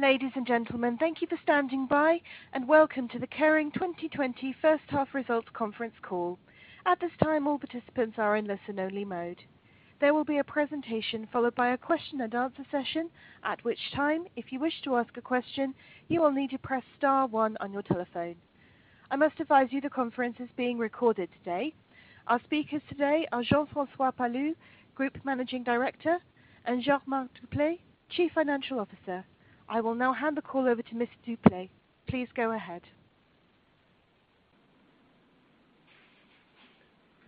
Ladies and gentlemen, thank you for standing by, and welcome to the Kering 2020 first half results conference call. At this time, all participants are in listen only mode. There will be a presentation, followed by a question and answer session, at which time, if you wish to ask a question, you will need to press star one on your telephone. I must advise you the conference is being recorded today. Our speakers today are Jean-François Palus, Group Managing Director, and Jean-Marc Duplaix, Chief Financial Officer. I will now hand the call over to Ms. Duplaix. Please go ahead.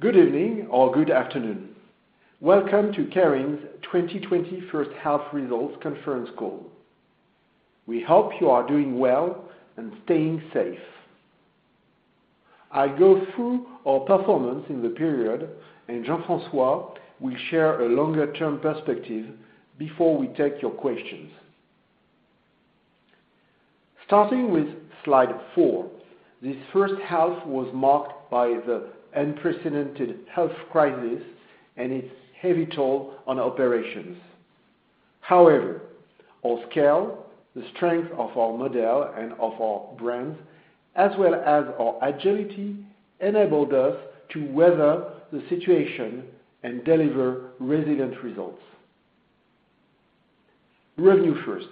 Good evening or good afternoon. Welcome to Kering's 2020 first half results conference call. We hope you are doing well and staying safe. I go through our performance in the period, and Jean-François will share a longer-term perspective before we take your questions. Starting with slide four, this first half was marked by the unprecedented health crisis and its heavy toll on operations. However, our scale, the strength of our model and of our brands, as well as our agility, enabled us to weather the situation and deliver resilient results. Revenue first.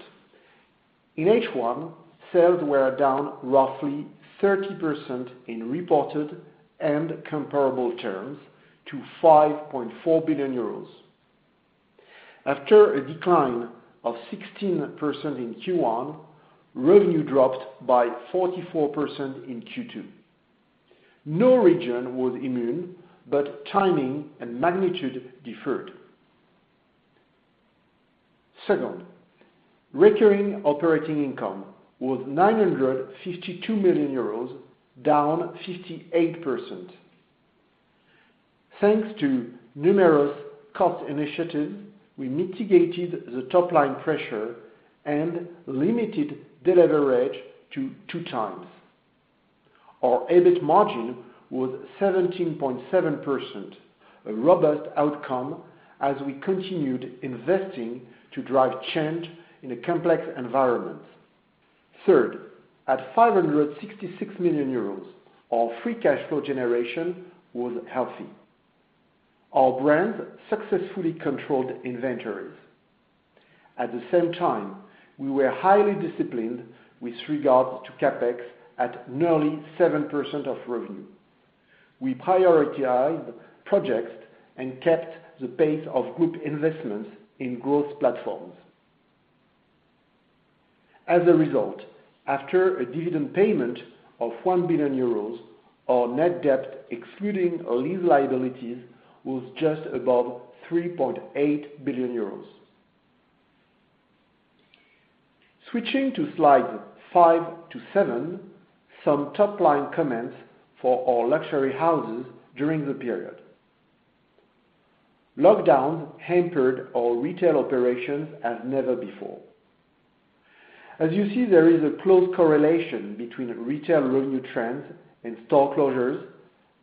In H1, sales were down roughly 30% in reported and comparable terms to 5.4 billion euros. After a decline of 16% in Q1, revenue dropped by 44% in Q2. No region was immune, but timing and magnitude deferred. Second, recurring operating income was 952 million euros, down 58%. Thanks to numerous cost initiatives, we mitigated the top-line pressure and limited deleverage to two times. Our EBIT margin was 17.7%, a robust outcome as we continued investing to drive change in a complex environment. Third, at 566 million euros, our free cash flow generation was healthy. Our brands successfully controlled inventories. At the same time, we were highly disciplined with regards to CapEx at nearly 7% of revenue. We prioritized projects and kept the pace of group investments in growth platforms. As a result, after a dividend payment of 1 billion euros, our net debt excluding our lease liabilities was just above EUR 3.8 billion. Switching to slides five to seven, some top-line comments for our luxury houses during the period. Lockdowns hampered our retail operations as never before. As you see, there is a close correlation between retail revenue trends and store closures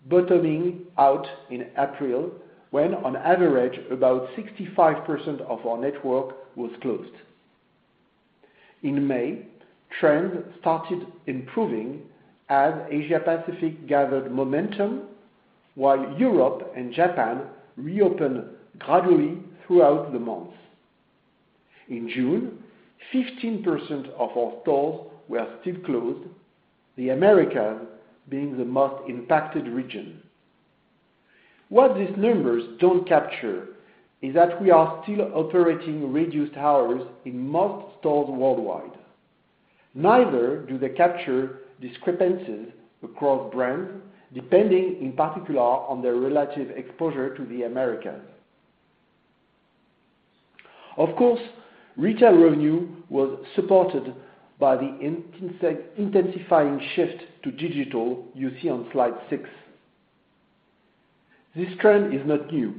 bottoming out in April, when on average about 65% of our network was closed. In May, trends started improving as Asia-Pacific gathered momentum, while Europe and Japan reopened gradually throughout the month. In June, 15% of our stores were still closed, the Americas being the most impacted region. What these numbers don't capture is that we are still operating reduced hours in most stores worldwide. Neither do they capture discrepancies across brands, depending in particular on their relative exposure to the Americas. Of course, retail revenue was supported by the intensifying shift to digital you see on slide six. This trend is not new,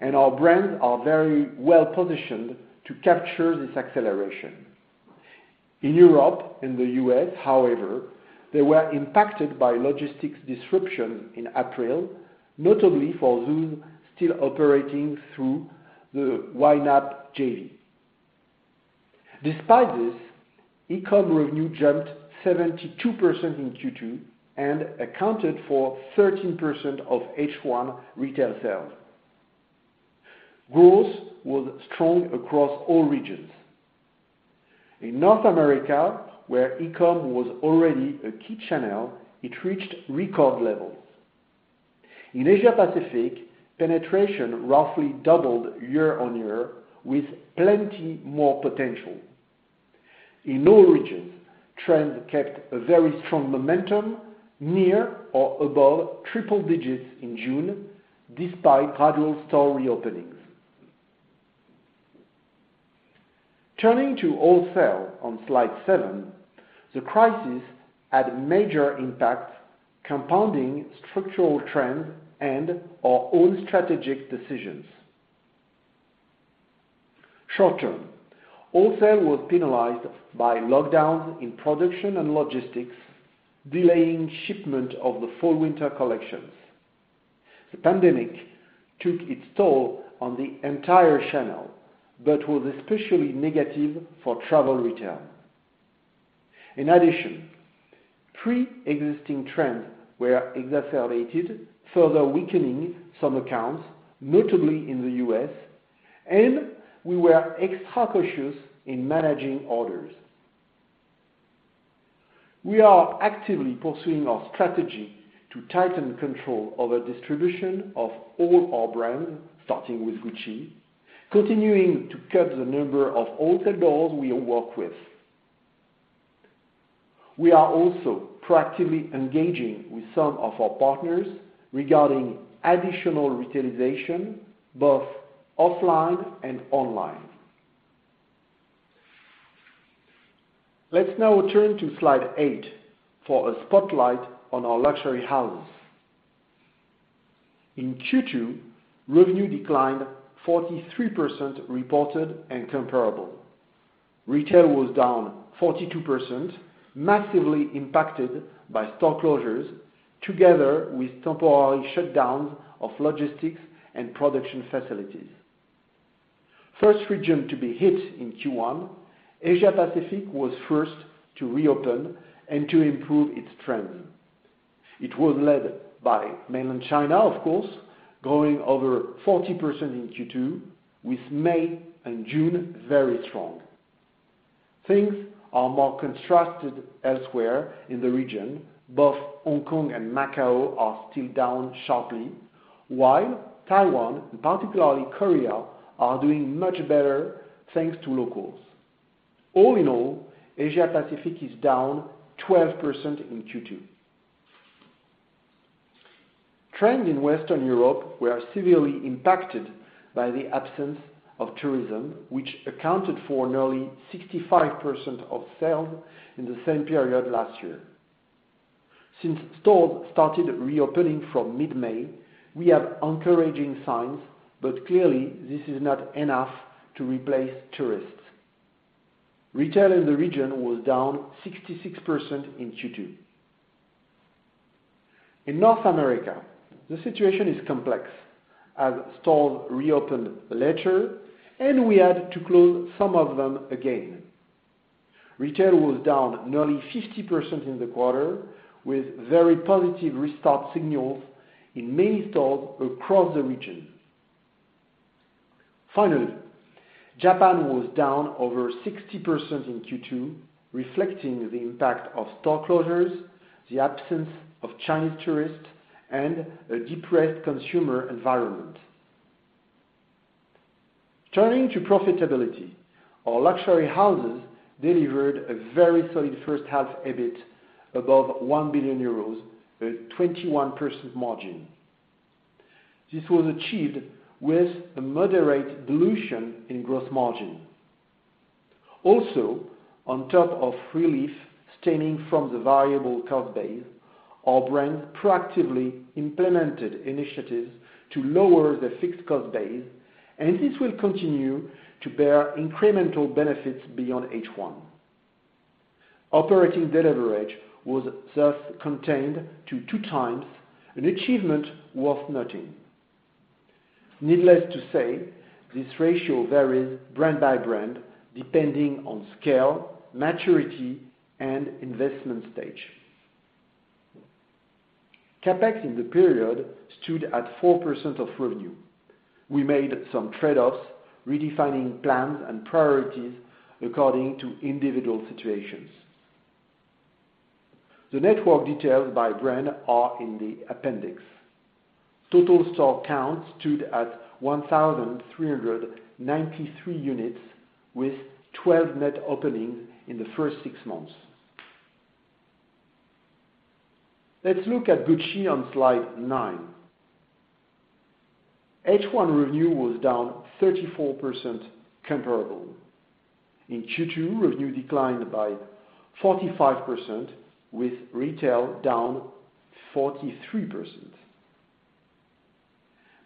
and our brands are very well-positioned to capture this acceleration. In Europe and the U.S., however, they were impacted by logistics disruption in April, notably for those still operating through the YNAP JV. Despite this, e-com revenue jumped 72% in Q2 and accounted for 13% of H1 retail sales. Growth was strong across all regions. In North America, where e-com was already a key channel, it reached record levels. In Asia-Pacific, penetration roughly doubled year-over-year, with plenty more potential. In all regions, trends kept a very strong momentum, near or above triple digits in June, despite gradual store reopenings. Turning to wholesale on slide seven, the crisis had a major impact, compounding structural trends and our own strategic decisions. Short-term, wholesale was penalized by lockdowns in production and logistics, delaying shipment of the fall/winter collections. The pandemic took its toll on the entire channel, but was especially negative for travel retail. In addition, pre-existing trends were exacerbated, further weakening some accounts, notably in the U.S., and we were extra cautious in managing orders. We are actively pursuing our strategy to tighten control over distribution of all our brands, starting with Gucci, continuing to cut the number of wholesale doors we work with. We are also proactively engaging with some of our partners regarding additional retailization, both offline and online. Let's now turn to slide eight for a spotlight on our luxury houses. In Q2, revenue declined 43% reported and comparable. Retail was down 42%, massively impacted by store closures together with temporary shutdowns of logistics and production facilities. First region to be hit in Q1, Asia Pacific was first to reopen and to improve its trends. It was led by Mainland China, of course, growing over 40% in Q2, with May and June very strong. Things are more contrasted elsewhere in the region. Both Hong Kong and Macau are still down sharply, while Taiwan, particularly Korea, are doing much better thanks to locals. All in all, Asia Pacific is down 12% in Q2. Trends in Western Europe were severely impacted by the absence of tourism, which accounted for nearly 65% of sales in the same period last year. Since stores started reopening from mid-May, we have encouraging signs, but clearly, this is not enough to replace tourists. Retail in the region was down 66% in Q2. In North America, the situation is complex as stores reopened later, and we had to close some of them again. Retail was down nearly 50% in the quarter with very positive restart signals in many stores across the region. Finally, Japan was down over 60% in Q2, reflecting the impact of store closures, the absence of Chinese tourists, and a depressed consumer environment. Turning to profitability, our luxury houses delivered a very solid first half EBIT above 1 billion euros, a 21% margin. This was achieved with a moderate dilution in gross margin. Also, on top of relief stemming from the variable cost base, our brands proactively implemented initiatives to lower the fixed cost base, and this will continue to bear incremental benefits beyond H1. Operating debt leverage was thus contained to two times, an achievement worth noting. Needless to say, this ratio varies brand by brand depending on scale, maturity, and investment stage. CapEx in the period stood at 4% of revenue. We made some trade-offs, redefining plans and priorities according to individual situations. The network details by brand are in the appendix. Total store count stood at 1,393 units with 12 net openings in the first six months. Let's look at Gucci on slide nine. H1 revenue was down 34% comparable. In Q2, revenue declined by 45%, with retail down 43%.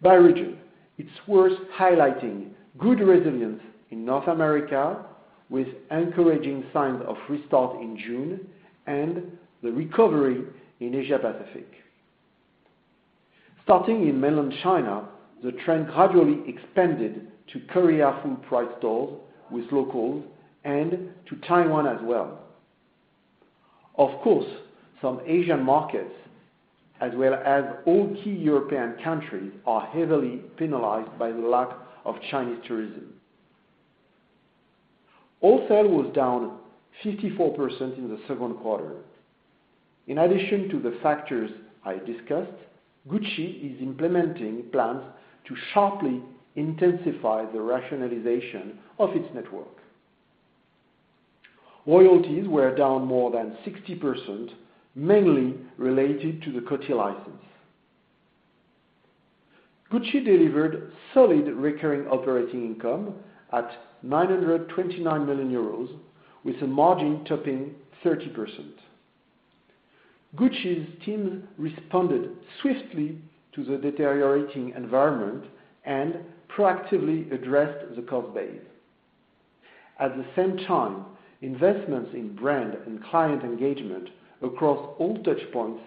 By region, it's worth highlighting good resilience in North America with encouraging signs of restart in June and the recovery in Asia Pacific. Starting in Mainland China, the trend gradually expanded to Korea full-price stores with locals and to Taiwan as well. Of course, some Asian markets, as well as all key European countries, are heavily penalized by the lack of Chinese tourism. Wholesale was down 54% in the second quarter. In addition to the factors I discussed, Gucci is implementing plans to sharply intensify the rationalization of its network. Royalties were down more than 60%, mainly related to the Coty license. Gucci delivered solid recurring operating income at 929 million euros with a margin topping 30%. Gucci's team responded swiftly to the deteriorating environment and proactively addressed the cost base. At the same time, investments in brand and client engagement across all touchpoints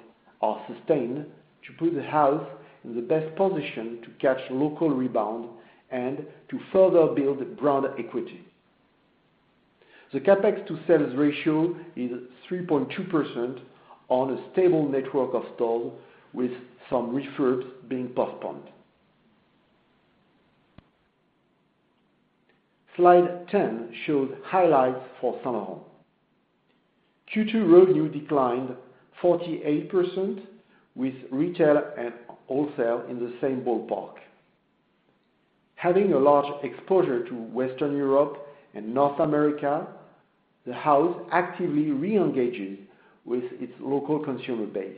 are sustained to put the house in the best position to catch local rebound and to further build brand equity. The CapEx to sales ratio is 3.2% on a stable network of stores with some refurbs being postponed. Slide 10 shows highlights for Saint Laurent. Q2 revenue declined 48%, with retail and wholesale in the same ballpark. Having a large exposure to Western Europe and North America, the house actively reengages with its local consumer base.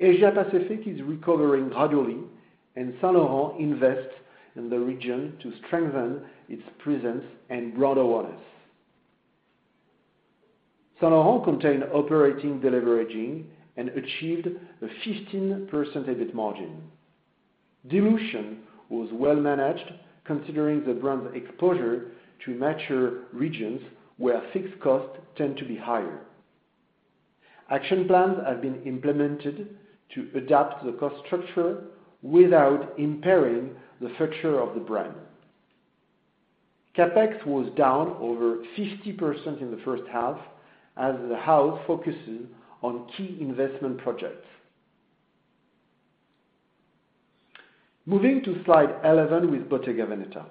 Asia Pacific is recovering gradually, and Saint Laurent invests in the region to strengthen its presence and brand awareness. Saint Laurent contained operating deleveraging and achieved a 15% EBIT margin. Dilution was well managed considering the brand's exposure to mature regions, where fixed costs tend to be higher. Action plans have been implemented to adapt the cost structure without impairing the future of the brand. CapEx was down over 50% in the first half as the house focuses on key investment projects. Moving to Slide 11 with Bottega Veneta.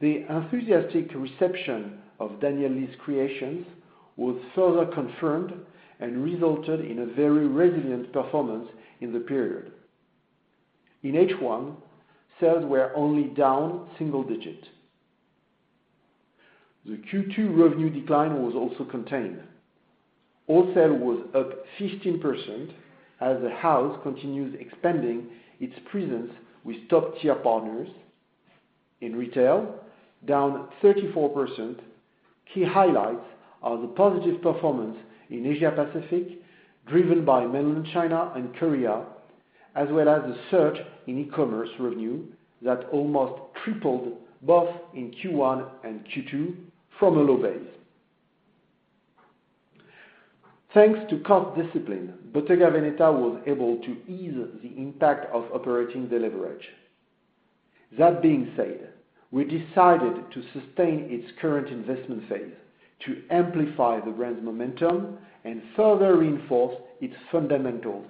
The enthusiastic reception of Daniel Lee's creations was further confirmed and resulted in a very resilient performance in the period. In H1, sales were only down single digits. The Q2 revenue decline was also contained. Wholesale was up 15% as the house continues expanding its presence with top-tier partners. In retail, down 34%, key highlights are the positive performance in Asia Pacific, driven by mainland China and Korea, as well as a surge in e-commerce revenue that almost tripled both in Q1 and Q2 from a low base. Thanks to cost discipline, Bottega Veneta was able to ease the impact of operating deleverage. That being said, we decided to sustain its current investment phase to amplify the brand's momentum and further reinforce its fundamentals.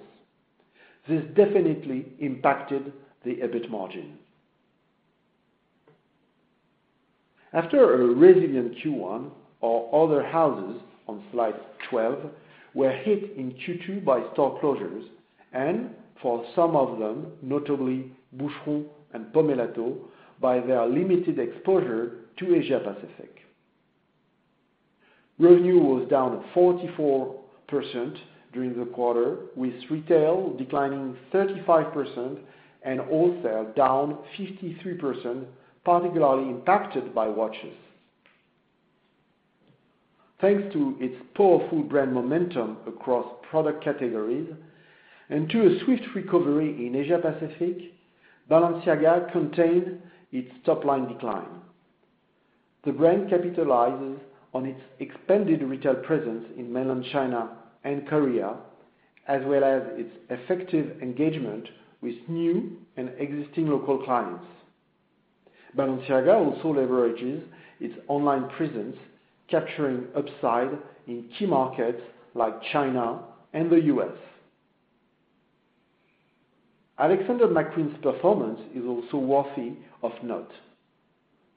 This definitely impacted the EBIT margin. After a resilient Q1, our other houses, on Slide 12, were hit in Q2 by store closures and for some of them, notably Boucheron and Pomellato, by their limited exposure to Asia Pacific. Revenue was down 44% during the quarter, with retail declining 35% and wholesale down 53%, particularly impacted by watches. Thanks to its powerful brand momentum across product categories, and to a swift recovery in Asia Pacific, Balenciaga contained its top-line decline. The brand capitalizes on its expanded retail presence in mainland China and Korea, as well as its effective engagement with new and existing local clients. Balenciaga also leverages its online presence, capturing upside in key markets like China and the U.S. Alexander McQueen's performance is also worthy of note.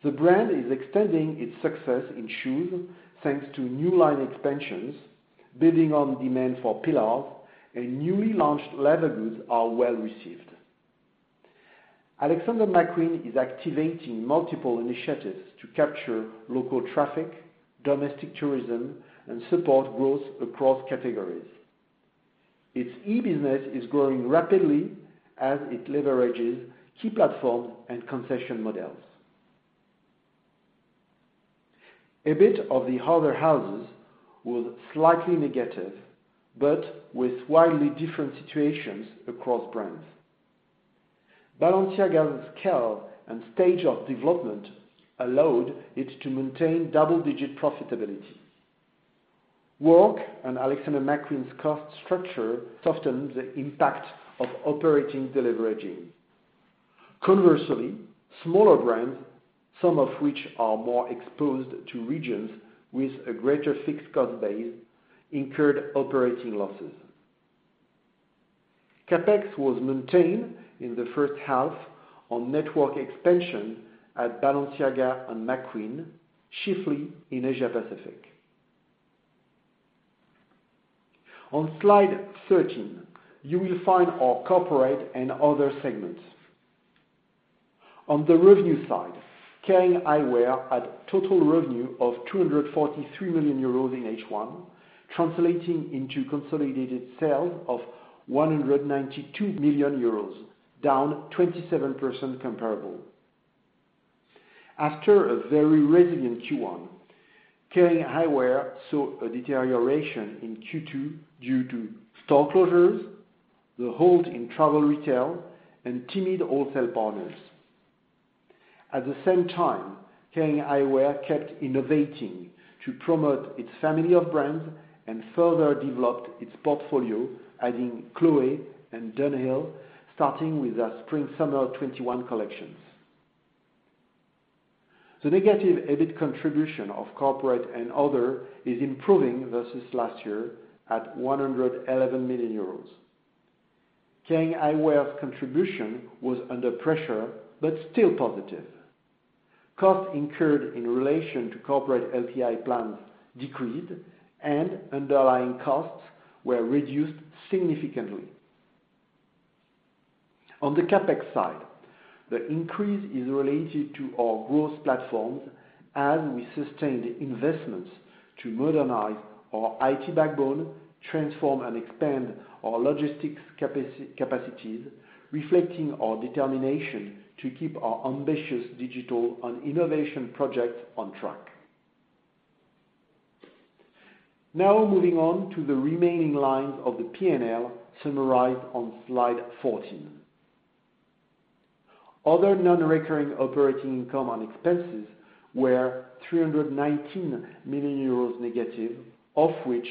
The brand is extending its success in shoes thanks to new line expansions, building on demand for pillars, and newly launched leather goods are well received. Alexander McQueen is activating multiple initiatives to capture local traffic, domestic tourism, and support growth across categories. Its e-business is growing rapidly as it leverages key platforms and concession models. EBIT of the other houses was slightly negative, but with widely different situations across brands. Balenciaga's scale and stage of development allowed it to maintain double-digit profitability. Work and Alexander McQueen's cost structure softened the impact of operating deleveraging. Conversely, smaller brands, some of which are more exposed to regions with a greater fixed cost base, incurred operating losses. CapEx was maintained in the first half on network expansion at Balenciaga and McQueen, chiefly in Asia Pacific. On Slide 13, you will find our corporate and other segments. On the revenue side, Kering Eyewear had total revenue of 243 million euros in H1, translating into consolidated sales of 192 million euros, down 27% comparable. After a very resilient Q1, Kering Eyewear saw a deterioration in Q2 due to store closures, the halt in travel retail, and timid wholesale partners. At the same time, Kering Eyewear kept innovating to promote its family of brands and further developed its portfolio, adding Chloé and dunhill, starting with their spring-summer 2021 collections. The negative EBIT contribution of Corporate and Other is improving versus last year at 111 million euros. Kering Eyewear's contribution was under pressure, but still positive. Costs incurred in relation to corporate LTI plans decreased, and underlying costs were reduced significantly. On the CapEx side, the increase is related to our growth platforms as we sustained investments to modernize our IT backbone, transform and expand our logistics capacities, reflecting our determination to keep our ambitious digital and innovation projects on track. Now moving on to the remaining lines of the P&L summarized on slide 14. Other non-recurring operating income and expenses were 319 million euros negative, of which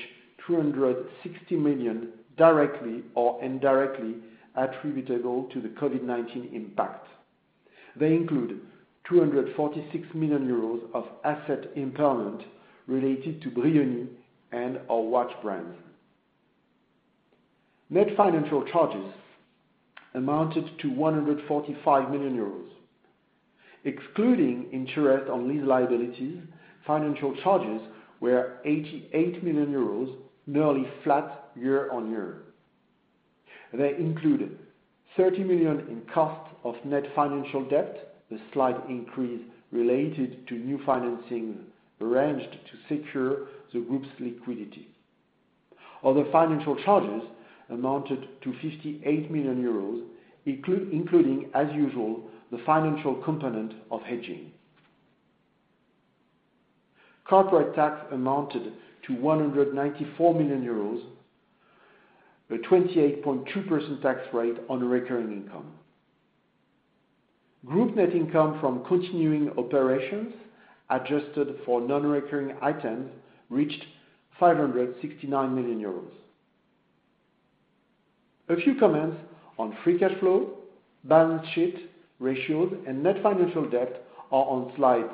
260 million directly or indirectly attributable to the Covid-19 impact. They include 246 million euros of asset impairment related to Brioni and our watch brands. Net financial charges amounted to 145 million euros. Excluding interest on lease liabilities, financial charges were 88 million euros, nearly flat year-on-year. They included 30 million in cost of net financial debt, a slight increase related to new financing arranged to secure the group's liquidity. Other financial charges amounted to 58 million euros, including, as usual, the financial component of hedging. Corporate tax amounted to 194 million euros, a 28.2% tax rate on recurring income. Group net income from continuing operations, adjusted for non-recurring items, reached 569 million euros. A few comments on free cash flow, balance sheet ratios and net financial debt are on slides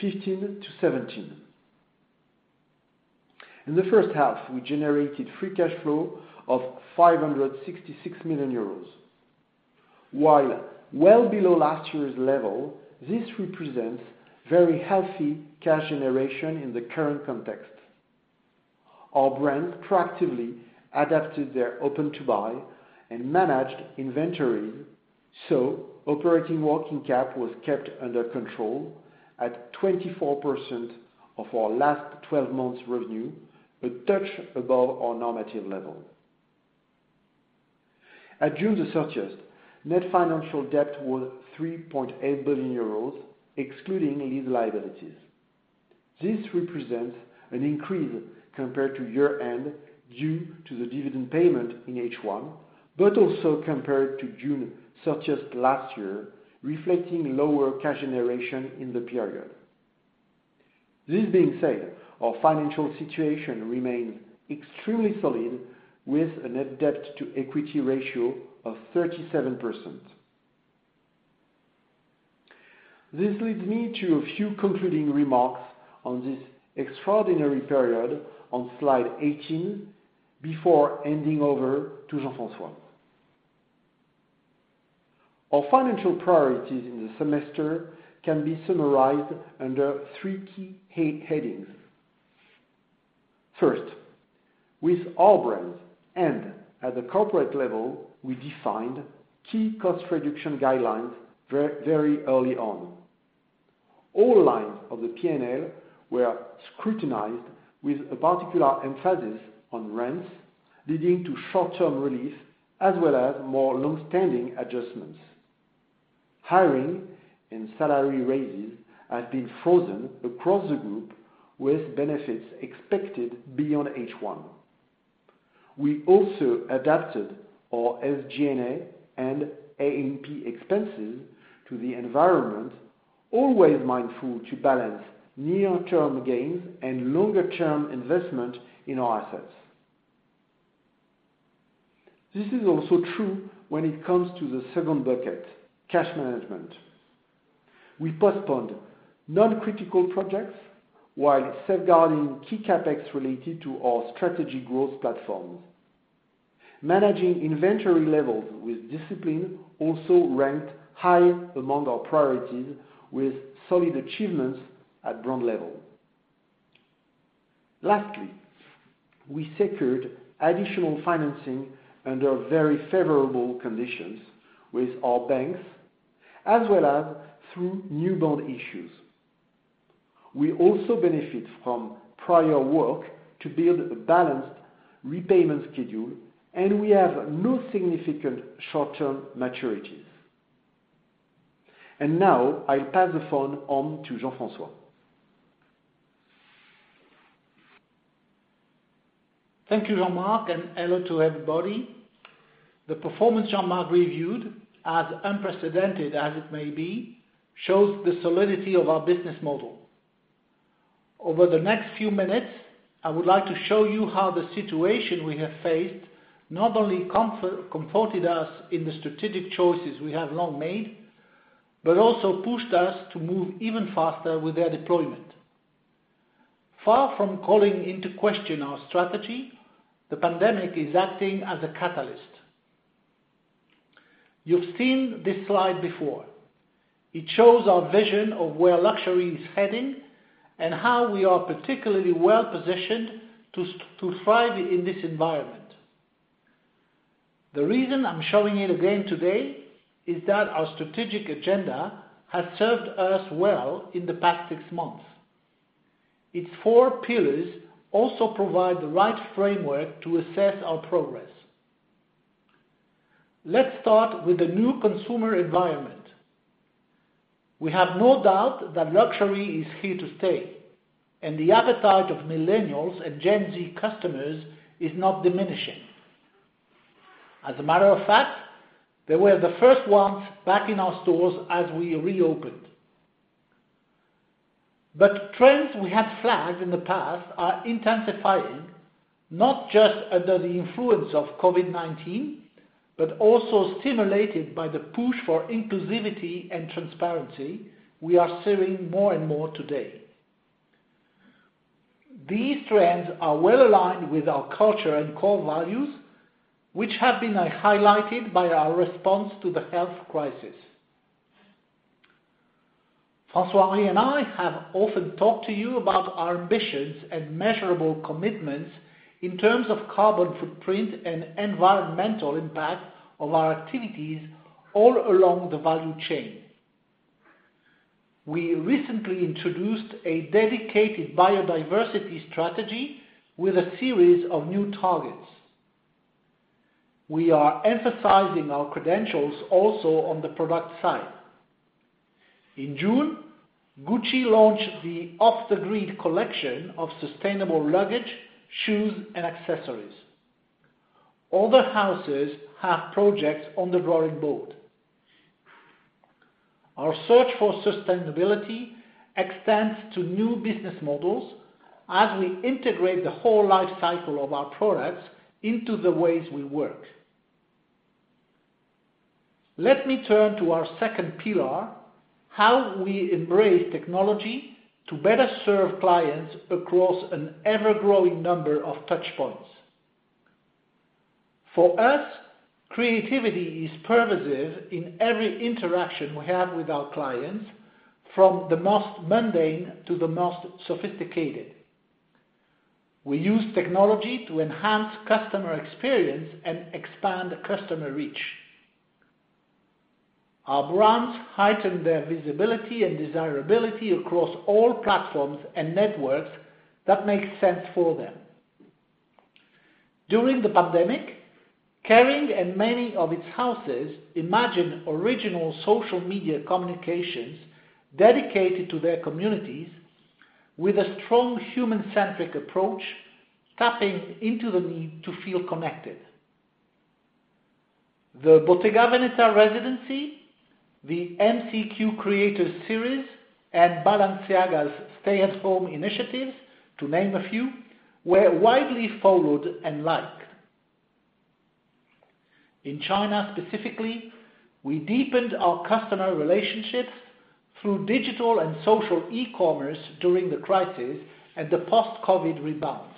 15 to 17. In the first half, we generated free cash flow of 566 million euros. While well below last year's level, this represents very healthy cash generation in the current context. Our brands proactively adapted their open-to-buy and managed inventory, so operating working cap was kept under control at 24% of our last 12 months revenue, a touch above our normative level. At June 30th, net financial debt was 3.8 billion euros, excluding lease liabilities. This represents an increase compared to year-end due to the dividend payment in H1, but also compared to June 30th last year, reflecting lower cash generation in the period. This being said, our financial situation remains extremely solid, with a net debt-to-equity ratio of 37%. This leads me to a few concluding remarks on this extraordinary period on slide 18 before handing over to Jean-François. Our financial priorities in the semester can be summarized under three key headings. First, with all brands and at the corporate level, we defined key cost reduction guidelines very early on. All lines of the P&L were scrutinized with a particular emphasis on rents, leading to short-term relief as well as more long-standing adjustments. Hiring and salary raises have been frozen across the group, with benefits expected beyond H1. We also adapted our SG&A and A&P expenses to the environment, always mindful to balance near-term gains and longer-term investment in our assets. This is also true when it comes to the second bucket, cash management. We postponed non-critical projects while safeguarding key CapEx related to our strategy growth platforms. Managing inventory levels with discipline also ranked high among our priorities, with solid achievements at brand level. Lastly, we secured additional financing under very favorable conditions with our banks, as well as through new bond issues. We also benefit from prior work to build a balanced repayment schedule, and we have no significant short-term maturities. Now, I pass the phone on to Jean-François. Thank you, Jean-Marc, and hello to everybody. The performance Jean-Marc reviewed, as unprecedented as it may be, shows the solidity of our business model. Over the next few minutes, I would like to show you how the situation we have faced not only comforted us in the strategic choices we have long made, but also pushed us to move even faster with their deployment. Far from calling into question our strategy, the pandemic is acting as a catalyst. You've seen this slide before. It shows our vision of where luxury is heading and how we are particularly well-positioned to thrive in this environment. The reason I'm showing it again today is that our strategic agenda has served us well in the past six months. Its four pillars also provide the right framework to assess our progress. Let's start with the new consumer environment. We have no doubt that luxury is here to stay, and the appetite of Millennials and Gen Z customers is not diminishing. As a matter of fact, they were the first ones back in our stores as we reopened. Trends we have flagged in the past are intensifying, not just under the influence of COVID-19, but also stimulated by the push for inclusivity and transparency we are seeing more and more today. These trends are well-aligned with our culture and core values, which have been highlighted by our response to the health crisis. François-Henri and I have often talked to you about our ambitions and measurable commitments in terms of carbon footprint and environmental impact of our activities all along the value chain. We recently introduced a dedicated biodiversity strategy with a series of new targets. We are emphasizing our credentials also on the product side. In June, Gucci launched the Off The Grid collection of sustainable luggage, shoes, and accessories. Other houses have projects on the drawing board. Our search for sustainability extends to new business models as we integrate the whole life cycle of our products into the ways we work. Let me turn to our second pillar, how we embrace technology to better serve clients across an ever-growing number of touchpoints. For us, creativity is pervasive in every interaction we have with our clients, from the most mundane to the most sophisticated. We use technology to enhance customer experience and expand customer reach. Our brands heighten their visibility and desirability across all platforms and networks that make sense for them. During the pandemic, Kering and many of its houses imagined original social media communications dedicated to their communities with a strong human-centric approach, tapping into the need to feel connected. The Bottega Veneta residency, the [MCQ] Creator series, and Balenciaga's stay-at-home initiatives, to name a few, were widely followed and liked. In China specifically, we deepened our customer relationships through digital and social e-commerce during the crisis and the post-Covid rebound.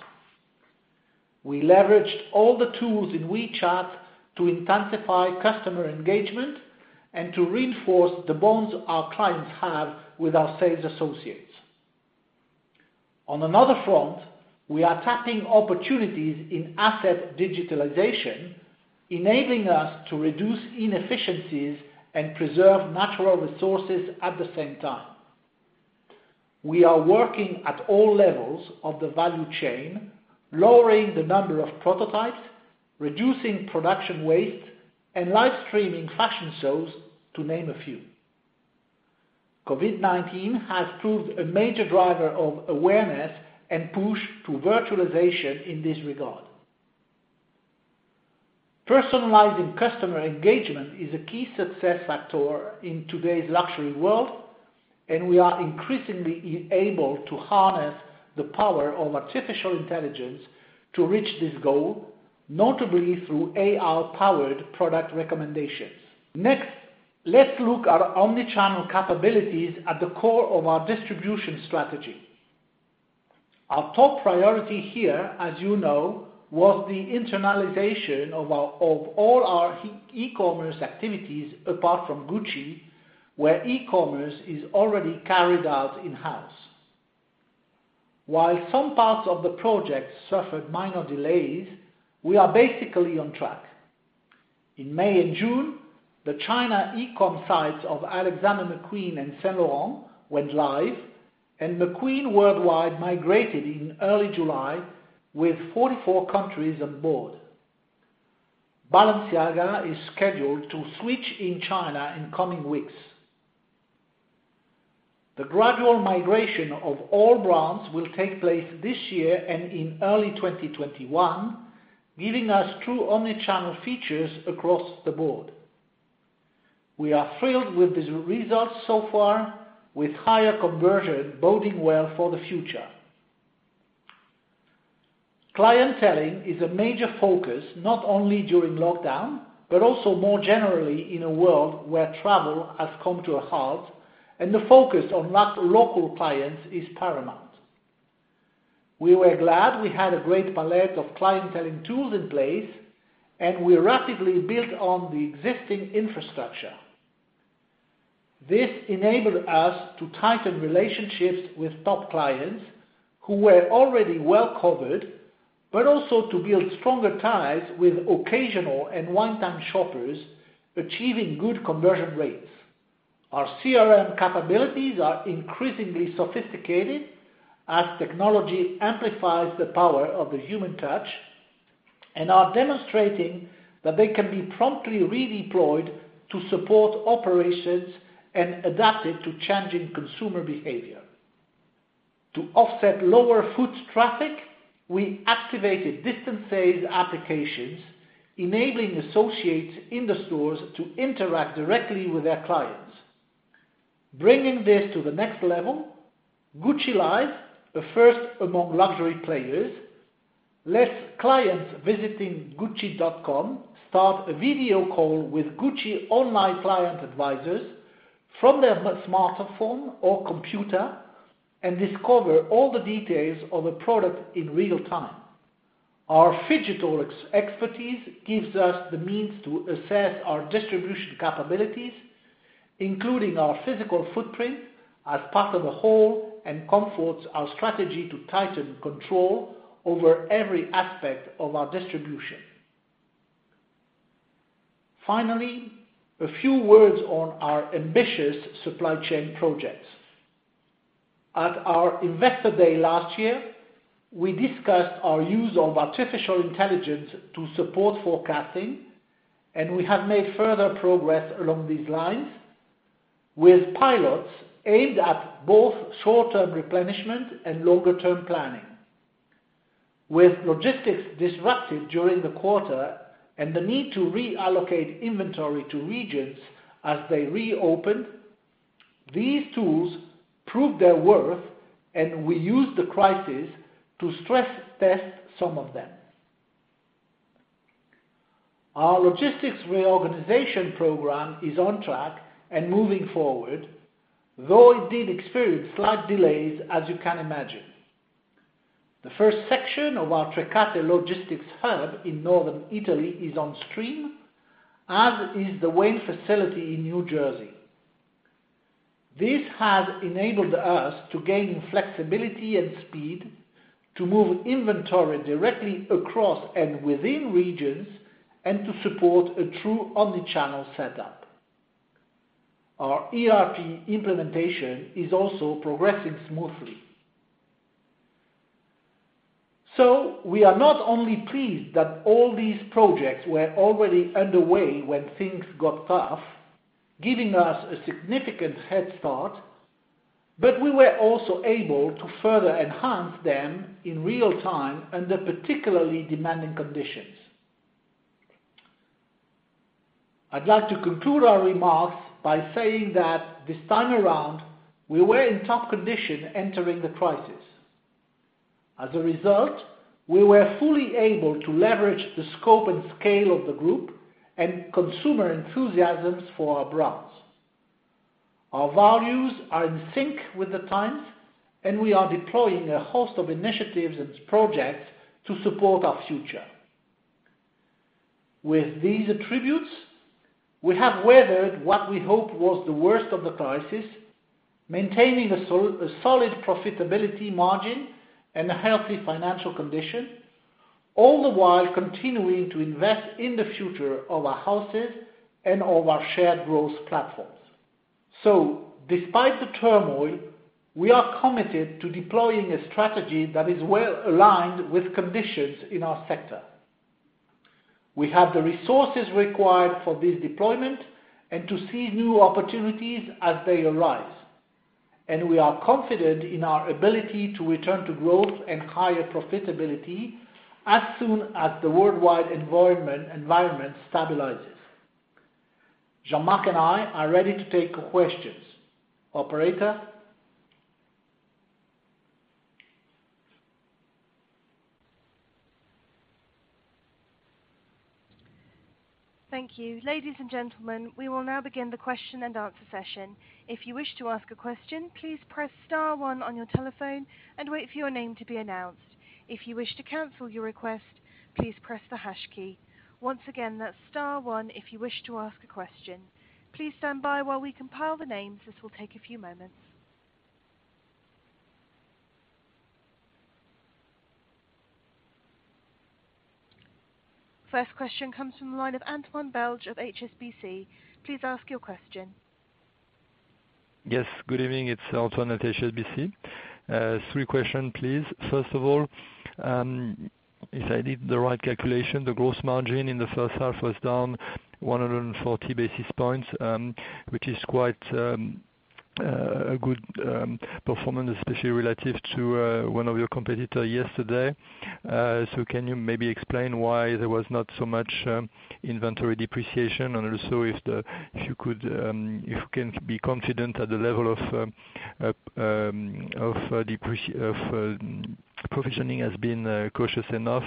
We leveraged all the tools in WeChat to intensify customer engagement and to reinforce the bonds our clients have with our sales associates. On another front, we are tapping opportunities in asset digitalization, enabling us to reduce inefficiencies and preserve natural resources at the same time. We are working at all levels of the value chain, lowering the number of prototypes, reducing production waste, and live streaming fashion shows, to name a few. Covid-19 has proved a major driver of awareness and push to virtualization in this regard. Personalizing customer engagement is a key success factor in today's luxury world, and we are increasingly able to harness the power of artificial intelligence to reach this goal, notably through AR-powered product recommendations. Next, let's look at our omni-channel capabilities at the core of our distribution strategy. Our top priority here, as you know, was the internalization of all our e-commerce activities apart from Gucci, where e-commerce is already carried out in-house. While some parts of the project suffered minor delays, we are basically on track. In May and June, the China e-com sites of Alexander McQueen and Saint Laurent went live, and McQueen worldwide migrated in early July with 44 countries on board. Balenciaga is scheduled to switch in China in coming weeks. The gradual migration of all brands will take place this year and in early 2021, giving us true omnichannel features across the board. We are thrilled with the results so far, with higher conversion boding well for the future. Clienteling is a major focus, not only during lockdown, but also more generally in a world where travel has come to a halt and the focus on local clients is paramount. We were glad we had a great palette of clienteling tools in place, and we rapidly built on the existing infrastructure. This enabled us to tighten relationships with top clients who were already well-covered, but also to build stronger ties with occasional and one-time shoppers, achieving good conversion rates. Our CRM capabilities are increasingly sophisticated as technology amplifies the power of the human touch and are demonstrating that they can be promptly redeployed to support operations and adapted to changing consumer behavior. To offset lower foot traffic, we activated distance-based applications, enabling associates in the stores to interact directly with their clients. Bringing this to the next level, Gucci Live, a first among luxury players, lets clients visiting gucci.com start a video call with Gucci online client advisors from their smartphone or computer and discover all the details of a product in real-time. Our phygital expertise gives us the means to assess our distribution capabilities, including our physical footprint as part of a whole, and comforts our strategy to tighten control over every aspect of our distribution. Finally, a few words on our ambitious supply chain projects. At our investor day last year, we discussed our use of artificial intelligence to support forecasting, and we have made further progress along these lines with pilots aimed at both short-term replenishment and longer-term planning. With logistics disrupted during the quarter and the need to reallocate inventory to regions as they reopened, these tools proved their worth, and we used the crisis to stress-test some of them. Our logistics reorganization program is on track and moving forward, though it did experience slight delays, as you can imagine. The first section of our Trecate logistics hub in northern Italy is on stream, as is the Wayne facility in New Jersey. This has enabled us to gain flexibility and speed to move inventory directly across and within regions and to support a true omnichannel setup. Our ERP implementation is also progressing smoothly. We are not only pleased that all these projects were already underway when things got tough, giving us a significant head start, but we were also able to further enhance them in real-time under particularly demanding conditions. I'd like to conclude our remarks by saying that this time around, we were in top condition entering the crisis. As a result, we were fully able to leverage the scope and scale of the group and consumer enthusiasms for our brands. Our values are in sync with the times, and we are deploying a host of initiatives and projects to support our future. With these attributes, we have weathered what we hope was the worst of the crisis, maintaining a solid profitability margin and a healthy financial condition, all the while continuing to invest in the future of our houses and of our shared growth platforms. Despite the turmoil, we are committed to deploying a strategy that is well-aligned with conditions in our sector. We have the resources required for this deployment and to seize new opportunities as they arise, and we are confident in our ability to return to growth and higher profitability as soon as the worldwide environment stabilizes. Jean-Marc and I are ready to take questions. Operator? Thank you. Ladies and gentlemen, we will now begin the question and answer session. If you wish to ask a question, please press star one on your telephone and wait for your name to be announced. If you wish to cancel your request, please press the hash key. Once again, that's star one if you wish to ask a question. Please stand by while we compile the names. This will take a few moments. First question comes from the line of Antoine Belge of HSBC. Please ask your question Yes. Good evening. It's Antoine Belge at HSBC. Three question, please. First of all, if I did the right calculation, the gross margin in the first half was down 140 basis points, which is quite a good performance, especially relative to one of your competitor yesterday. Can you maybe explain why there was not so much inventory depreciation? And also if you can be confident at the level of provisioning has been cautious enough,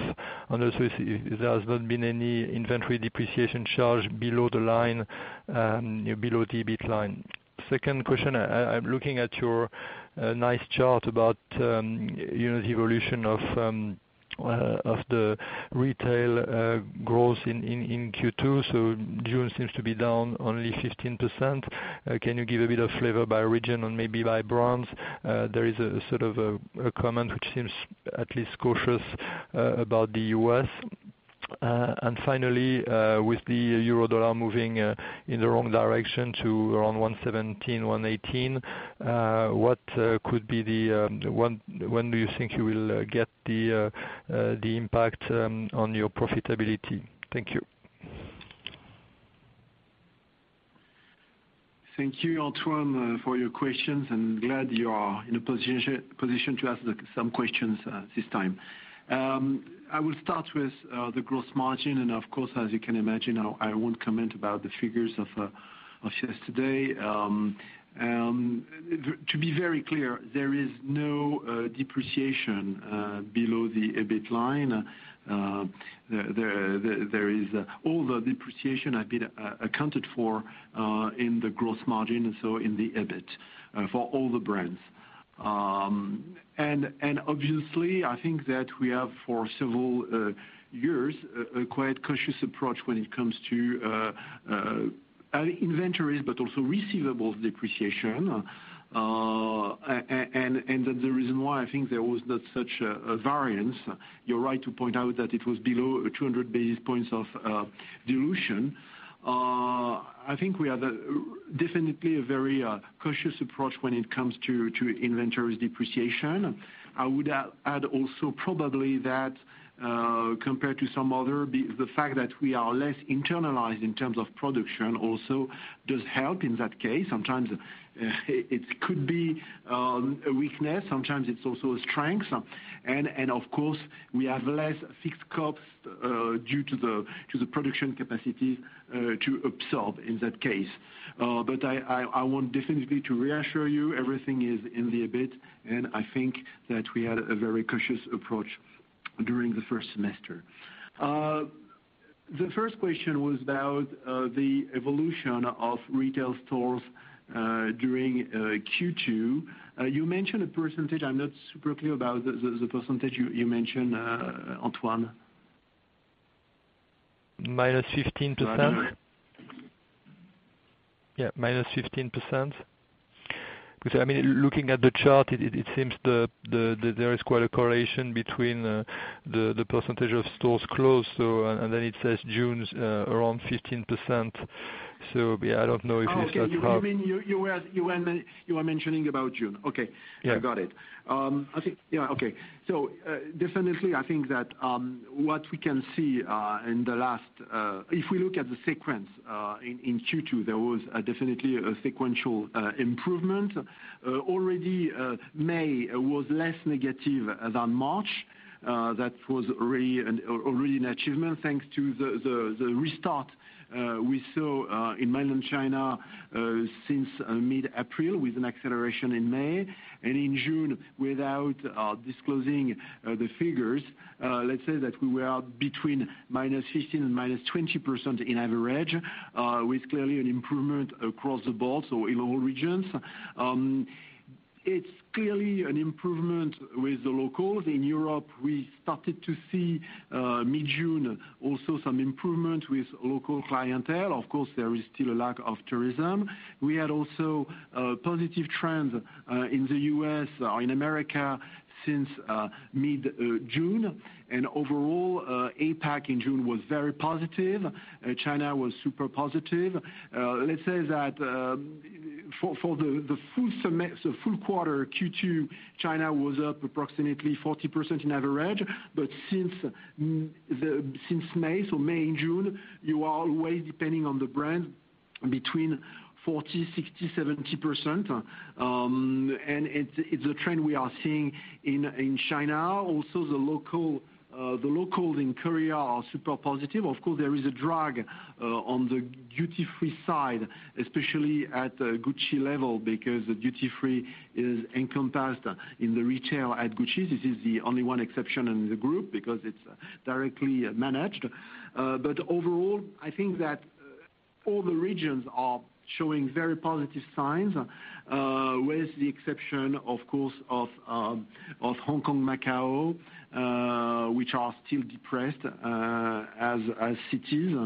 and also if there has not been any inventory depreciation charge below the EBIT line. Second question, I'm looking at your nice chart about the evolution of the retail growth in Q2. June seems to be down only 15%. Can you give a bit of flavor by region and maybe by brands? There is a sort of a comment which seems at least cautious about the U.S. Finally, with the euro dollar moving in the wrong direction to around 117, 118, when do you think you will get the impact on your profitability? Thank you. Thank you, Antoine, for your questions, and glad you are in a position to ask some questions this time. I will start with the gross margin, and of course, as you can imagine, I won't comment about the figures of yesterday. To be very clear, there is no depreciation below the EBIT line. All the depreciation have been accounted for in the gross margin, and so in the EBIT for all the brands. Obviously, I think that we have for several years a quite cautious approach when it comes to inventories, but also receivables depreciation. The reason why I think there was not such a variance, you're right to point out that it was below 200 basis points of dilution. I think we have definitely a very cautious approach when it comes to inventories depreciation. I would add also probably that, compared to some other, the fact that we are less internalized in terms of production also does help in that case. Sometimes it could be a weakness, sometimes it's also a strength. Of course, we have less fixed costs due to the production capacity to absorb in that case. I want definitely to reassure you, everything is in the EBIT, and I think that we had a very cautious approach during the first semester. The first question was about the evolution of retail stores during Q2. You mentioned a percentage. I'm not super clear about the percentage you mentioned, Antoine. Minus 15%. Do you want to hear it? Yeah, minus 15%. Looking at the chart, it seems that there is quite a correlation between the percentage of stores closed, and then it says June's around 15%. Yeah, I don't know if it's that hard. Okay. You were mentioning about June. Okay. Yeah. I got it. Yeah, okay. Definitely, I think that what we can see if we look at the sequence in Q2, there was definitely a sequential improvement. Already, May was less negative than March. That was already an achievement, thanks to the restart we saw in mainland China since mid-April, with an acceleration in May. In June, without disclosing the figures, let's say that we were between minus 15% and -20% in average, with clearly an improvement across the board, so in all regions. It's clearly an improvement with the locals. In Europe, we started to see mid-June also some improvement with local clientele. Of course, there is still a lack of tourism. We had also a positive trend in the U.S. or in America since mid-June. Overall, APAC in June was very positive. China was super positive. Let's say that for the full quarter Q2, China was up approximately 40% in average. Since May, so May and June, you are always depending on the brand between 40%, 60%, 70%. It's a trend we are seeing in China. Also, the locals in Korea are super positive. Of course, there is a drag on the duty-free side, especially at Gucci level, because the duty-free is encompassed in the retail at Gucci. This is the only one exception in the group because it's directly managed. Overall, I think that all the regions are showing very positive signs, with the exception, of course of Hong Kong, Macau. Which are still depressed as cities,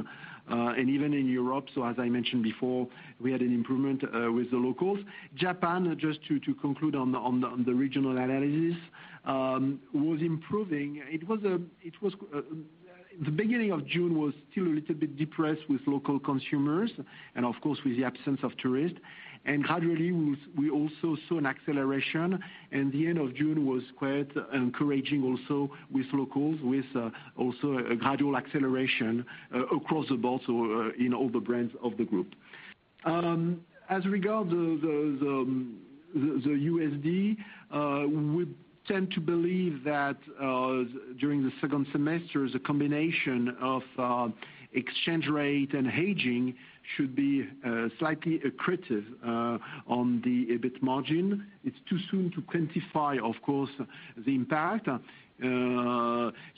and even in Europe. As I mentioned before, we had an improvement with the locals. Japan, just to conclude on the regional analysis, was improving. The beginning of June was still a little bit depressed with local consumers, and of course, with the absence of tourists. Gradually, we also saw an acceleration, the end of June was quite encouraging also with locals, with also a gradual acceleration across the board, so in all the brands of the group. As regards the USD, we tend to believe that during the second semester, the combination of exchange rate and hedging should be slightly accretive on the EBIT margin. It's too soon to quantify, of course, the impact.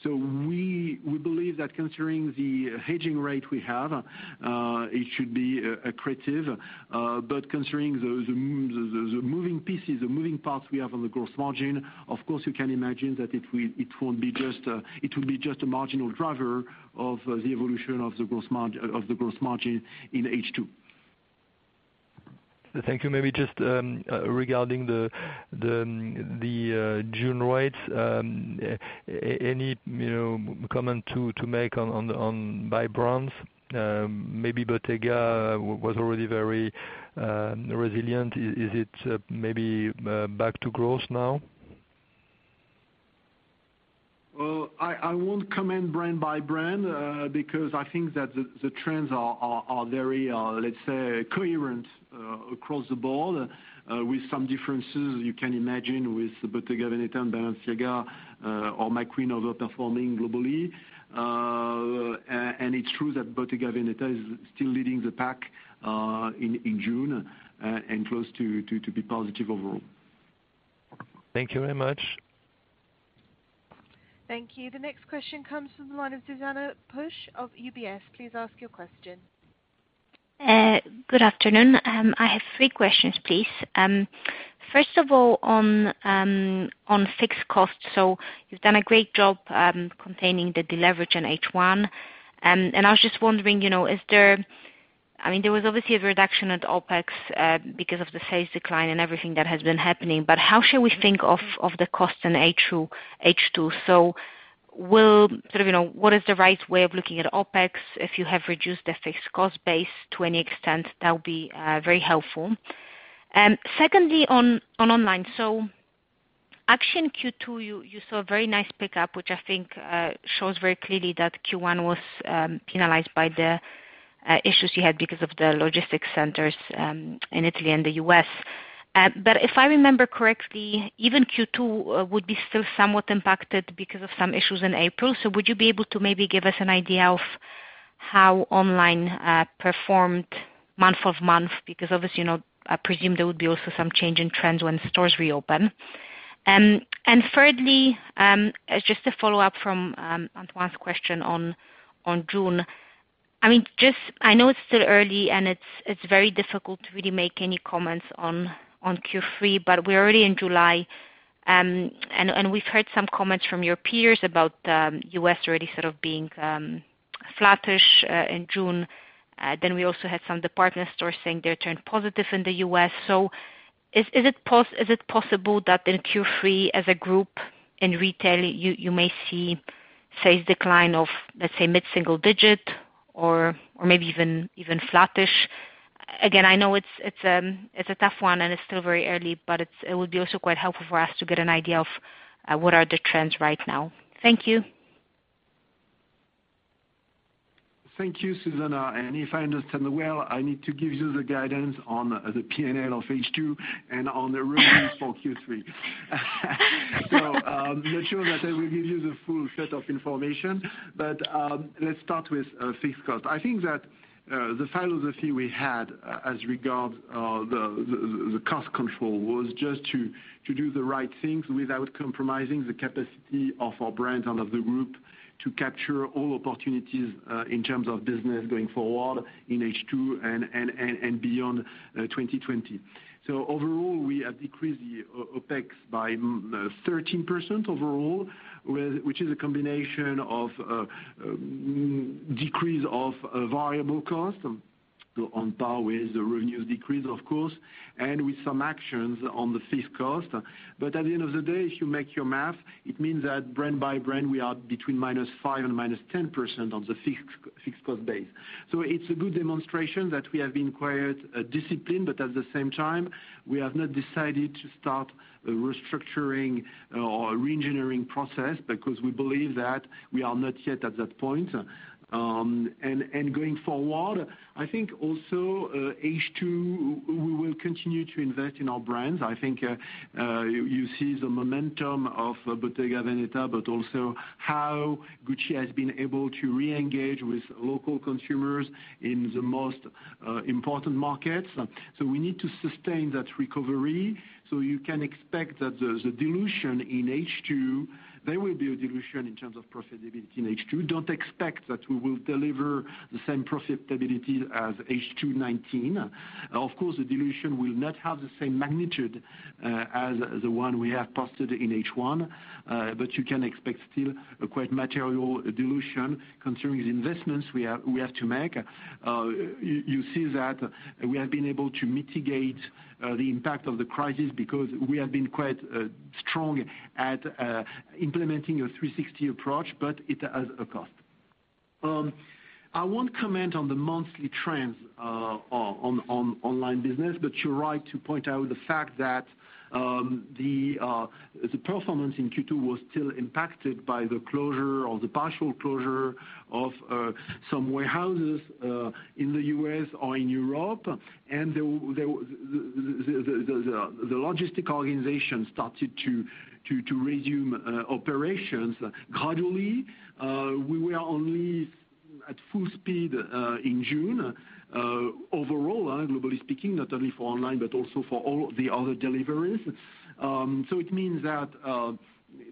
We believe that considering the hedging rate we have, it should be accretive. Considering the moving pieces, the moving parts we have on the gross margin, of course, you can imagine that it will be just a marginal driver of the evolution of the gross margin in H2. Thank you. Maybe just regarding the June rates, any comment to make by brands? Maybe Bottega was already very resilient. Is it maybe back to growth now? Well, I won't comment brand by brand, because I think that the trends are very, let's say, coherent across the board with some differences you can imagine with Bottega Veneta and Balenciaga, or McQueen overperforming globally. It's true that Bottega Veneta is still leading the pack in June, and close to be positive overall. Thank you very much. Thank you. The next question comes from the line of Zuzanna Pusz of UBS. Please ask your question. Good afternoon. I have three questions, please. First of all, on fixed costs. You've done a great job containing the deleverage in H1, and I was just wondering, there was obviously a reduction at OpEx because of the sales decline and everything that has been happening, but how should we think of the cost in H2? What is the right way of looking at OpEx if you have reduced the fixed cost base to any extent? That would be very helpful. Secondly, on online. Actually in Q2, you saw a very nice pickup, which I think shows very clearly that Q1 was penalized by the issues you had because of the logistics centers in Italy and the U.S. If I remember correctly, even Q2 would be still somewhat impacted because of some issues in April. Would you be able to maybe give us an idea of how online performed month-over-month? Because obviously, I presume there would be also some change in trends when stores reopen. Thirdly, just a follow-up from Antoine's question on June. I know it's still early, and it's very difficult to really make any comments on Q3, but we're already in July, and we've heard some comments from your peers about U.S. already sort of being flattish in June. We also had some department stores saying they're turning positive in the U.S. Is it possible that in Q3 as a group in retail, you may see sales decline of, let's say, mid-single digit or maybe even flattish? Again, I know it's a tough one and it's still very early, but it would be also quite helpful for us to get an idea of what are the trends right now. Thank you. Thank you, Zuzanna. If I understand well, I need to give you the guidance on the P&L of H2 and on the review for Q3. I'm not sure that I will give you the full set of information. Let's start with fixed cost. I think that the philosophy we had as regards the cost control was just to do the right things without compromising the capacity of our brands and of the group to capture all opportunities in terms of business going forward in H2 and beyond 2020. Overall, we have decreased the OpEx by 13% overall, which is a combination of a decrease of variable cost on par with the revenue decrease, of course, and with some actions on the fixed cost. At the end of the day, if you make your math, it means that brand by brand, we are between -5% and -10% of the fixed cost base. It's a good demonstration that we have been quite disciplined, but at the same time, we have not decided to start a restructuring or reengineering process because we believe that we are not yet at that point. Going forward, I think also H2, we will continue to invest in our brands. I think you see the momentum of Bottega Veneta, but also how Gucci has been able to reengage with local consumers in the most important markets. We need to sustain that recovery. You can expect that the dilution in H2, there will be a dilution in terms of profitability in H2. Don't expect that we will deliver the same profitability as H2 2019. Of course, the dilution will not have the same magnitude as the one we have posted in H1. You can expect still a quite material dilution considering the investments we have to make. You see that we have been able to mitigate the impact of the crisis because we have been quite strong at implementing a 360 approach, but it has a cost. I won't comment on the monthly trends on online business, but you're right to point out the fact that the performance in Q2 was still impacted by the closure, or the partial closure, of some warehouses in the U.S. or in Europe. The logistic organization started to resume operations gradually. We were only at full speed in June. Overall, globally speaking, not only for online, but also for all the other deliveries. It means that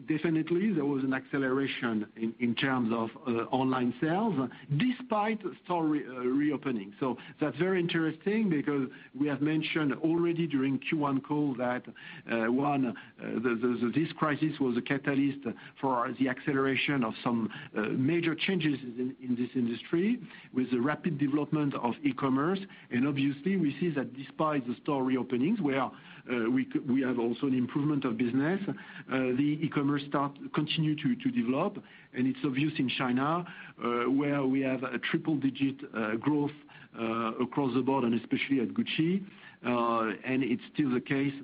definitely there was an acceleration in terms of online sales despite store reopening. That's very interesting because we have mentioned already during Q1 call that, one, this crisis was a catalyst for the acceleration of some major changes in this industry with the rapid development of e-commerce. Obviously we see that despite the store reopenings, we have also an improvement of business. The e-commerce continue to develop, and it's obvious in China, where we have a triple-digit growth across the board and especially at Gucci. It's still the case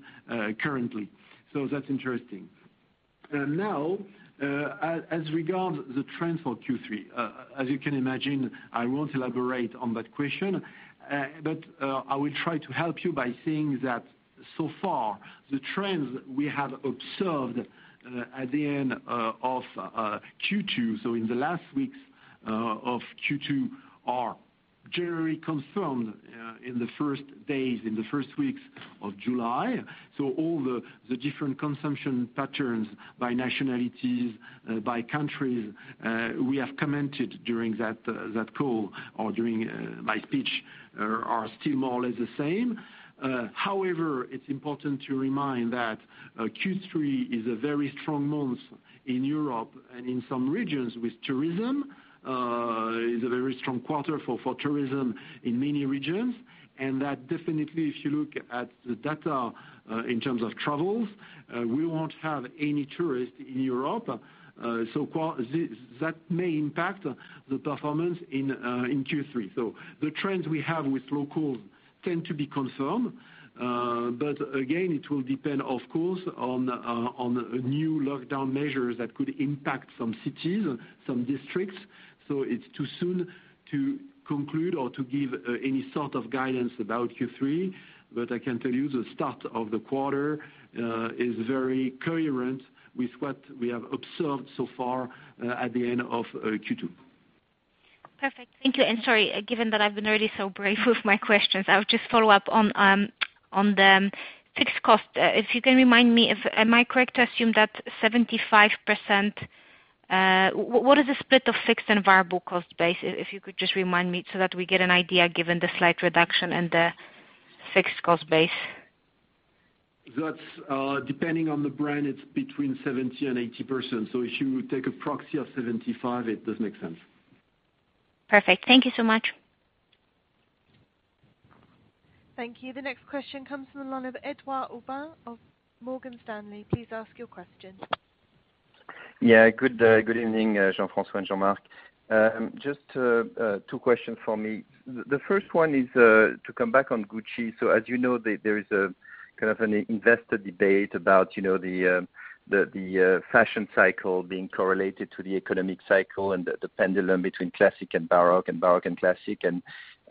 currently. That's interesting. Now, as regard the trends for Q3, as you can imagine, I won't elaborate on that question. I will try to help you by saying that so far, the trends we have observed at the end of Q2, in the last weeks of Q2, are generally confirmed in the first days, in the first weeks of July. All the different consumption patterns by nationalities, by countries, we have commented during that call or during my speech, are still more or less the same. However, it's important to remind that Q3 is a very strong month in Europe and in some regions with tourism. It's a very strong quarter for tourism in many regions, and that definitely, if you look at the data in terms of travels, we won't have any tourists in Europe. That may impact the performance in Q3. The trends we have with locals tend to be confirmed. Again, it will depend, of course, on new lockdown measures that could impact some cities or some districts. It's too soon to conclude or to give any sort of guidance about Q3. I can tell you the start of the quarter is very coherent with what we have observed so far at the end of Q2. Perfect. Thank you. Sorry, given that I've been already so brave with my questions, I would just follow up on the fixed cost. If you can remind me, am I correct to assume what is the split of fixed and variable cost base? If you could just remind me so that we get an idea given the slight reduction in the fixed cost base. That's depending on the brand, it's between 70% and 80%. If you take a proxy of 75, it does make sense. Perfect. Thank you so much. Thank you. The next question comes from the line of Edouard Aubin of Morgan Stanley. Please ask your question. Yeah. Good evening, Jean-François and Marc. Just two questions for me. The first one is to come back on Gucci. As you know, there is a kind of an investor debate about the fashion cycle being correlated to the economic cycle and the pendulum between classic and baroque, and baroque and classic.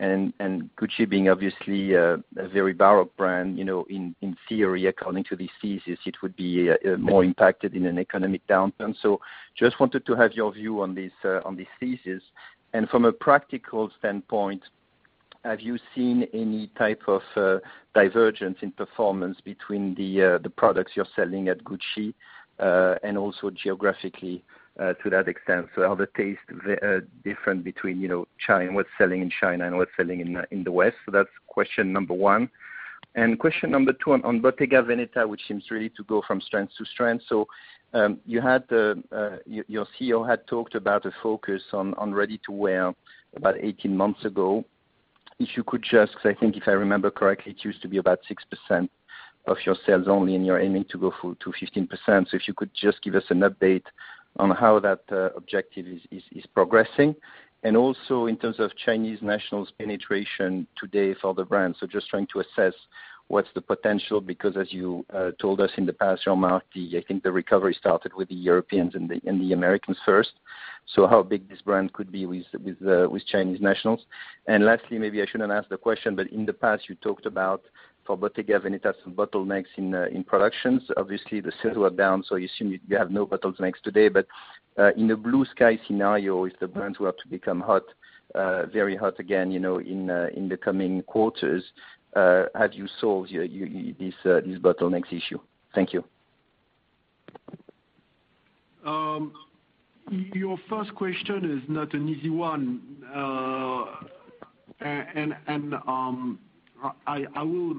Gucci being obviously a very baroque brand, in theory, according to this thesis, it would be more impacted in an economic downturn. Just wanted to have your view on this thesis. From a practical standpoint, have you seen any type of divergence in performance between the products you're selling at Gucci, and also geographically to that extent? Are the tastes different between what's selling in China and what's selling in the West? That's question number one. Question number two on Bottega Veneta, which seems really to go from strength to strength. Your CEO had talked about a focus on ready-to-wear about 18 months ago. If you could just, because I think if I remember correctly, it used to be about 6% of your sales only, and you're aiming to go to 15%. If you could just give us an update on how that objective is progressing, and also in terms of Chinese nationals' penetration today for the brand. Just trying to assess what's the potential, because as you told us in the past, Jean-Marc, I think the recovery started with the Europeans and the Americans first. How big this brand could be with Chinese nationals. Lastly, maybe I shouldn't ask the question, but in the past, you talked about for Bottega Veneta, some bottlenecks in productions. Obviously, the sales were down, you seem you have no bottlenecks today. In a blue sky scenario, if the brands were to become very hot again in the coming quarters, have you solved this bottlenecks issue? Thank you. Your first question is not an easy one. I will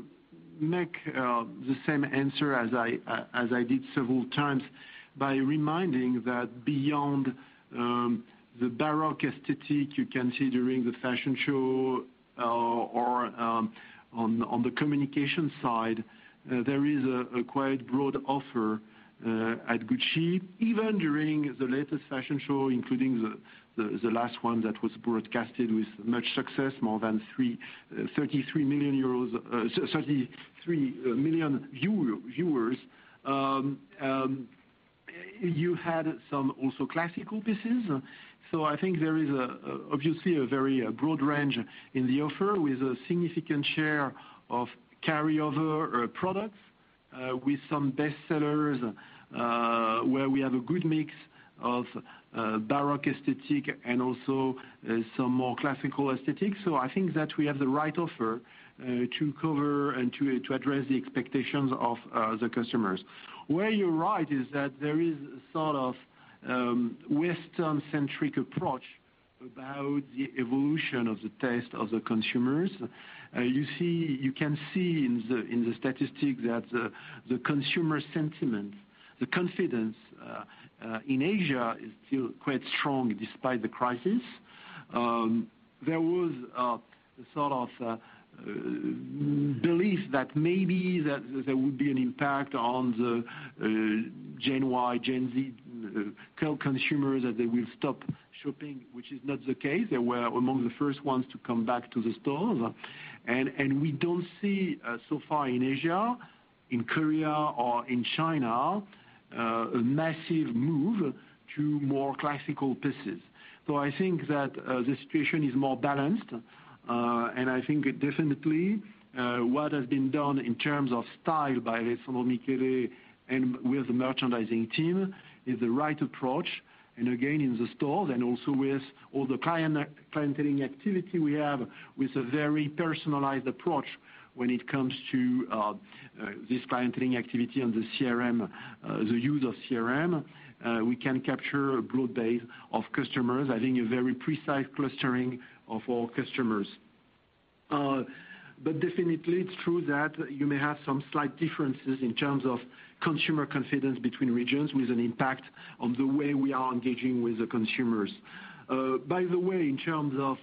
make the same answer as I did several times by reminding that beyond the baroque aesthetic you can see during the fashion show or on the communication side, there is a quite broad offer at Gucci, even during the latest fashion show, including the last one that was broadcasted with much success, more than 33 million viewers. You had some also classical pieces. I think there is, obviously, a very broad range in the offer with a significant share of carry-over products, with some bestsellers, where we have a good mix of baroque aesthetic and also some more classical aesthetic. I think that we have the right offer to cover and to address the expectations of the customers. Where you're right is that there is a sort of Western-centric approach about the evolution of the taste of the consumers. You can see in the statistic that the consumer sentiment, the confidence in Asia, is still quite strong despite the crisis. There was a sort of belief that maybe there would be an impact on the Gen Y, Gen Z consumers, that they will stop shopping, which is not the case. They were among the first ones to come back to the stores. We don't see, so far in Asia, in Korea or in China, a massive move to more classical pieces. I think that the situation is more balanced. I think definitely what has been done in terms of style by Alessandro Michele and with the merchandising team is the right approach. Again, in the stores and also with all the clienteling activity we have, with a very personalized approach when it comes to this clienteling activity and the use of CRM, we can capture a broad base of customers, I think a very precise clustering of all customers. Definitely, it's true that you may have some slight differences in terms of consumer confidence between regions with an impact on the way we are engaging with the consumers. In terms of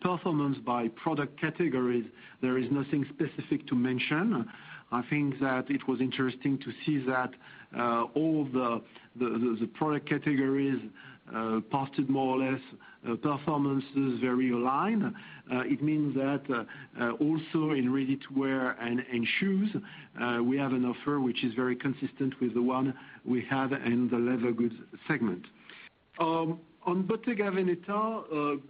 performance by product categories, there is nothing specific to mention. I think that it was interesting to see that all the product categories posted more or less performances very aligned. It means that also in ready-to-wear and in shoes, we have an offer which is very consistent with the one we have in the leather goods segment. On Bottega Veneta,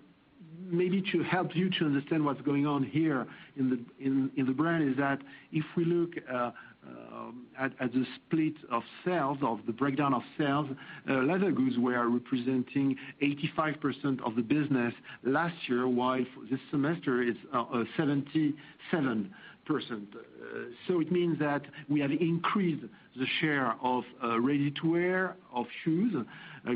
maybe to help you to understand what's going on here in the brand is that if we look at the split of sales, of the breakdown of sales, leather goods were representing 85% of the business last year, while this semester it's 77%. It means that we have increased the share of ready-to-wear, of shoes,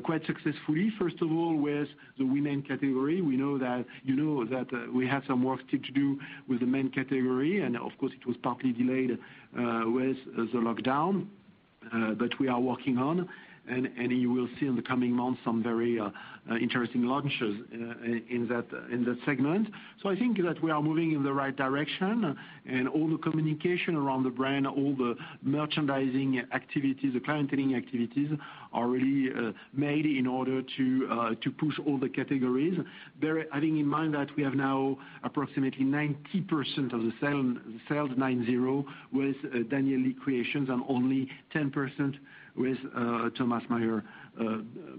quite successfully. First of all, with the women category. You know that we have some work still to do with the men category, and of course, it was partly delayed with the lockdown. We are working on, and you will see in the coming months some very interesting launches in that segment. I think that we are moving in the right direction, and all the communication around the brand, all the merchandising activities, the clienteling activities, are really made in order to push all the categories. Having in mind that we have now approximately 90% of the sales, nine, zero, with Daniel Lee creations and only 10% with Tomas Maier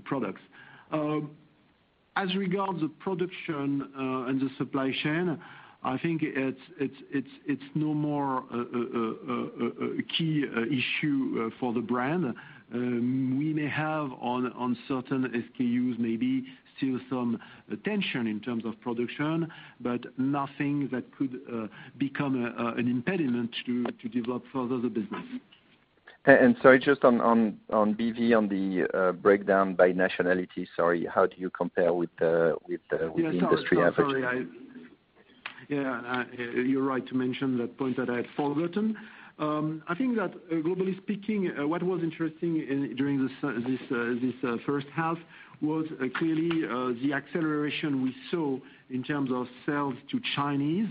products. As regards the production and the supply chain, I think it's no more a key issue for the brand. We may have, on certain SKUs maybe, still some tension in terms of production, but nothing that could become an impediment to develop further the business. Sorry, just on BV, on the breakdown by nationality, sorry, how do you compare with the industry average? Yeah, sorry. You're right to mention that point that I had forgotten. I think that, globally speaking, what was interesting during this first half was clearly the acceleration we saw in terms of sales to Chinese.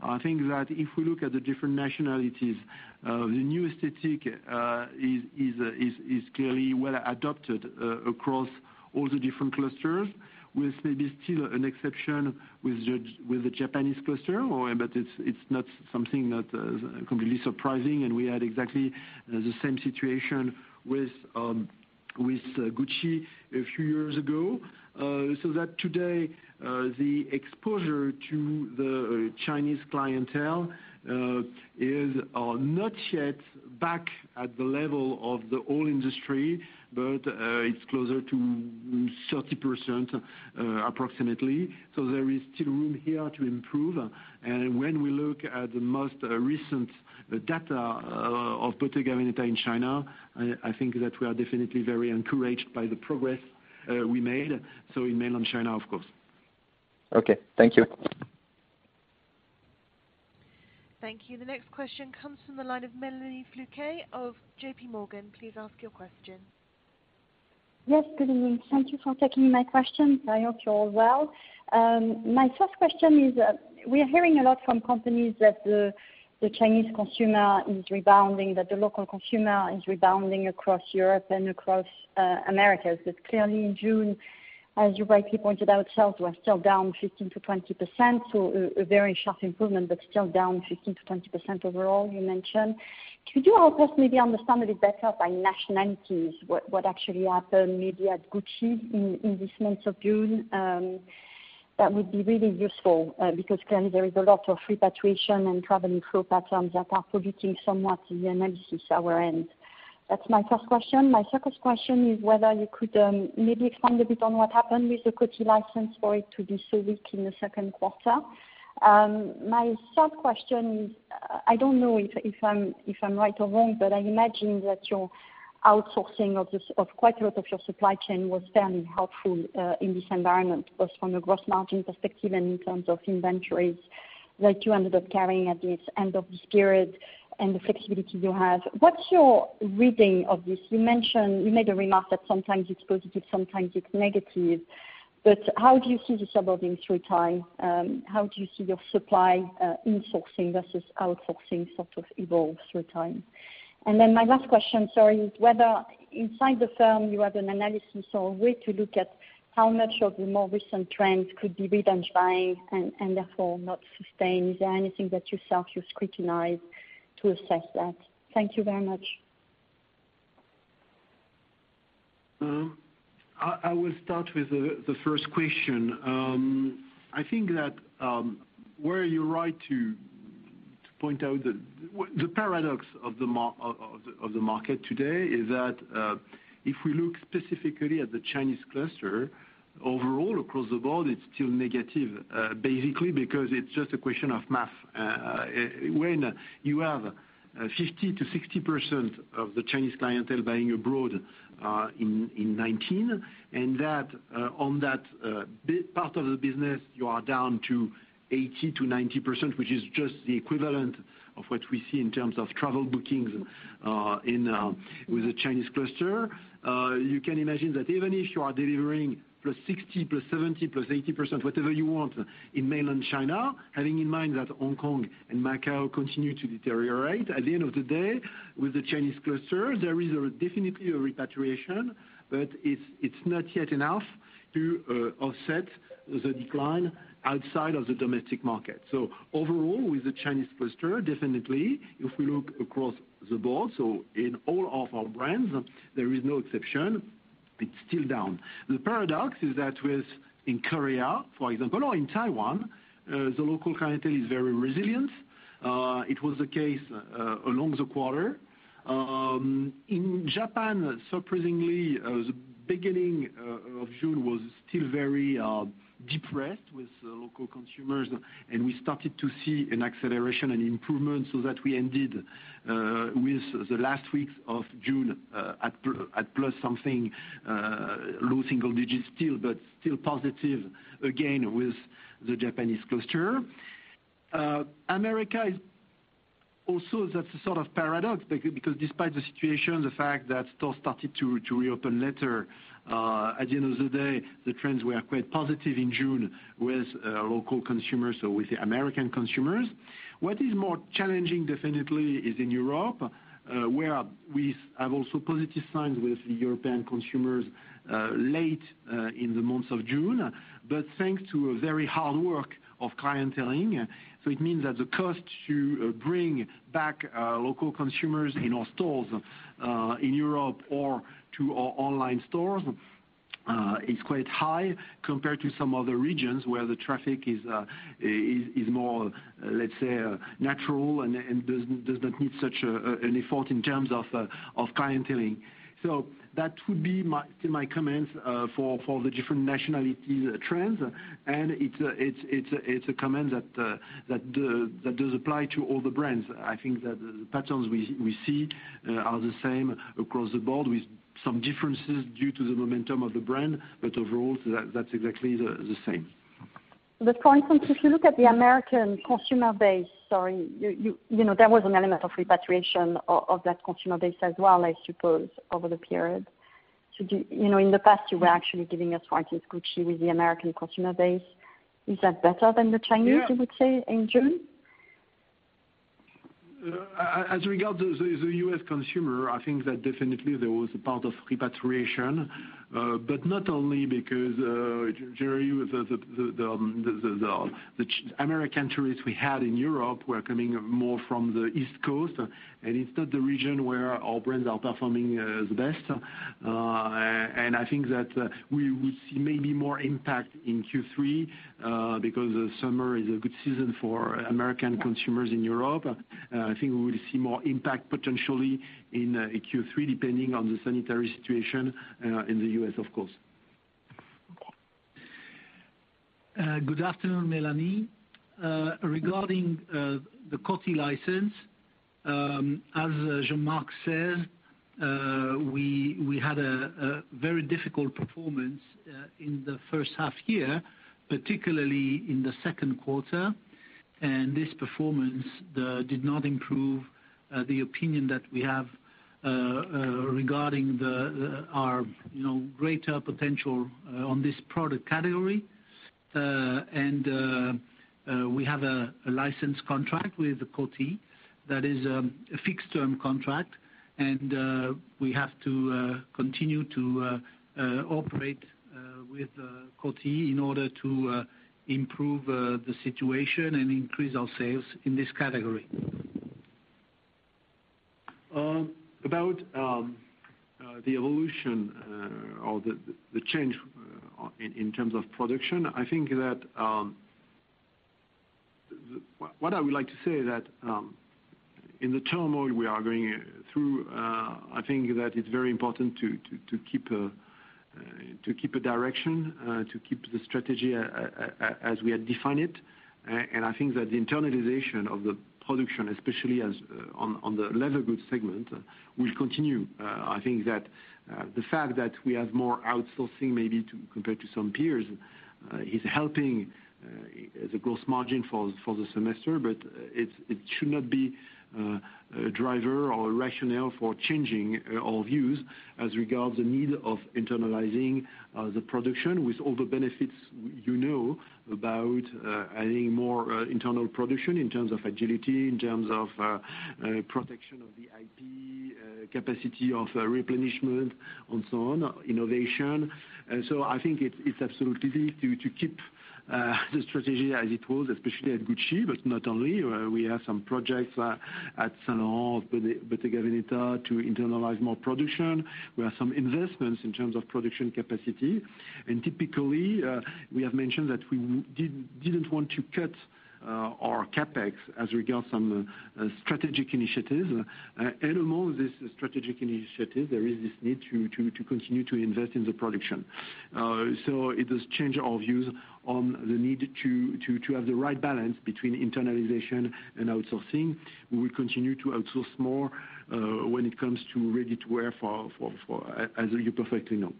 I think that if we look at the different nationalities, the new aesthetic is clearly well-adopted across all the different clusters. With maybe still an exception with the Japanese cluster, but it's not something that is completely surprising, and we had exactly the same situation with Gucci a few years ago. Today, the exposure to the Chinese clientele is not yet back at the level of the whole industry, but it's closer to 30% approximately. There is still room here to improve. When we look at the most recent data of Bottega Veneta in China, I think that we are definitely very encouraged by the progress we made. In mainland China, of course. Okay. Thank you. Thank you. The next question comes from the line of Melanie Flouquet of JP Morgan. Please ask your question. Yes, good evening. Thank you for taking my question. I hope you're all well. My first question is, we are hearing a lot from companies that the Chinese consumer is rebounding, that the local consumer is rebounding across Europe and across Americas. Clearly in June, as you rightly pointed out, sales were still down 15%-20%. A very sharp improvement, but still down 15%-20% overall, you mentioned. Could you help us maybe understand a bit better by nationalities what actually happened, maybe at Gucci, in this month of June? That would be really useful, because clearly there is a lot of repatriation and traveling through patterns that are permitting somewhat the analysis on our end. That's my first question. My second question is whether you could maybe expand a bit on what happened with the Gucci license for it to be so weak in the second quarter? My third question, I don't know if I'm right or wrong, but I imagine that your outsourcing of quite a lot of your supply chain was fairly helpful in this environment, both from a gross margin perspective and in terms of inventories that you ended up carrying at the end of this period and the flexibility you have? What's your reading of this? You made a remark that sometimes it's positive, sometimes it's negative, but how do you see this evolving through time? How do you see your supply insourcing versus outsourcing sort of evolve through time? My last question, sorry, is whether inside the firm you have an analysis or a way to look at how much of the more recent trends could be revenge buying and therefore not sustained. Is there anything that you yourself, you've scrutinized to assess that? Thank you very much. I will start with the first question. I think that where you're right to point out that the paradox of the market today is that if we look specifically at the Chinese cluster, overall across the board, it's still negative, basically because it's just a question of math. When you have 50% to 60% of the Chinese clientele buying abroad in 2019, and on that part of the business, you are down to 80% to 90%, which is just the equivalent of what we see in terms of travel bookings with the Chinese cluster. You can imagine that even if you are delivering +60%, +70%, +80%, whatever you want, in mainland China, having in mind that Hong Kong and Macau continue to deteriorate, at the end of the day, with the Chinese cluster, there is definitely a repatriation, but it's not yet enough to offset the decline outside of the domestic market. Overall, with the Chinese cluster, definitely, if we look across the board, in all of our brands, there is no exception. It's still down. The paradox is that with, in Korea, for example, or in Taiwan, the local clientele is very resilient. It was the case along the quarter. In Japan, surprisingly, the beginning of June was still very depressed with local consumers, and we started to see an acceleration and improvement so that we ended with the last weeks of June at plus something, low single digits still, but still positive again with the Japanese cluster. America is also that sort of paradox, because despite the situation, the fact that stores started to reopen later, at the end of the day, the trends were quite positive in June with local consumers or with the American consumers. What is more challenging, definitely is in Europe, where we have also positive signs with the European consumers late in the month of June. Thanks to a very hard work of clienteling, so it means that the cost to bring back local consumers in our stores, in Europe or to our online stores, is quite high compared to some other regions where the traffic is more, let's say, natural and does not need such an effort in terms of clienteling. That would be my comments for the different nationality trends, and it's a comment that does apply to all the brands. I think that the patterns we see are the same across the board with some differences due to the momentum of the brand, but overall, that's exactly the same. For instance, if you look at the American consumer base, sorry, there was an element of repatriation of that consumer base as well, I suppose, over the period. In the past, you were actually giving us guidance, Gucci, with the American consumer base. Is that better than the Chinese, you would say, in June? As regard to the U.S. consumer, I think that definitely there was a part of repatriation, but not only because generally, the American tourists we had in Europe were coming more from the East Coast, and it's not the region where our brands are performing the best. I think that we will see maybe more impact in Q3 because the summer is a good season for American consumers in Europe. I think we will see more impact potentially in Q3, depending on the sanitary situation in the U.S., of course. Good afternoon, Melanie. Regarding the Coty license, as Jean-Marc said, we had a very difficult performance in the first half year, particularly in the second quarter. This performance did not improve the opinion that we have regarding our greater potential on this product category. We have a license contract with Coty that is a fixed-term contract, and we have to continue to operate with Coty in order to improve the situation and increase our sales in this category. About the evolution or the change in terms of production, what I would like to say is that in the turmoil we are going through, I think it's very important to keep a direction, to keep the strategy as we have defined it. I think the internalization of the production, especially on the leather goods segment, will continue. I think the fact that we have more outsourcing maybe compared to some peers, is helping the gross margin for the semester. It should not be a driver or a rationale for changing our views as regards the need of internalizing the production with all the benefits you know about adding more internal production in terms of agility, in terms of protection of the IP, capacity of replenishment, and so on, innovation. I think it's absolutely to keep the strategy as it was, especially at Gucci, but not only. We have some projects at Saint Laurent, Bottega Veneta, to internalize more production. We have some investments in terms of production capacity. Typically, we have mentioned that we didn't want to cut our CapEx as regards some strategic initiatives. Among these strategic initiatives, there is this need to continue to invest in the production. It has changed our views on the need to have the right balance between internalization and outsourcing. We will continue to outsource more when it comes to ready-to-wear, as you perfectly know.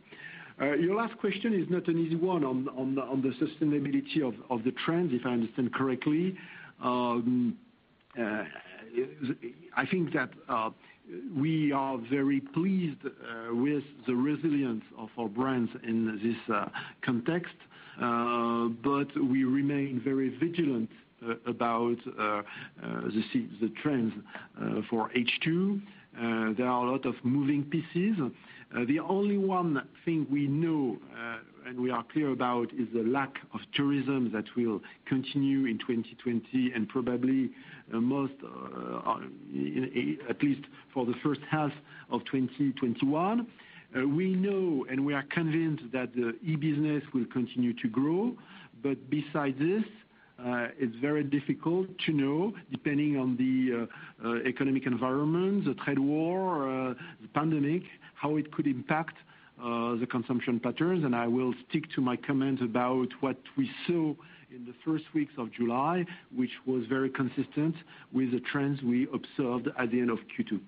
Your last question is not an easy one, on the sustainability of the trend, if I understand correctly. I think that we are very pleased with the resilience of our brands in this context, but we remain very vigilant about the trends for H2. There are a lot of moving pieces. The only one thing we know and we are clear about is the lack of tourism that will continue in 2020 and probably at least for the first half of 2021. We know and we are convinced that the e-business will continue to grow. Besides this, it's very difficult to know, depending on the economic environment, the trade war, the pandemic, how it could impact the consumption patterns. I will stick to my comment about what we saw in the first weeks of July, which was very consistent with the trends we observed at the end of Q2. Thank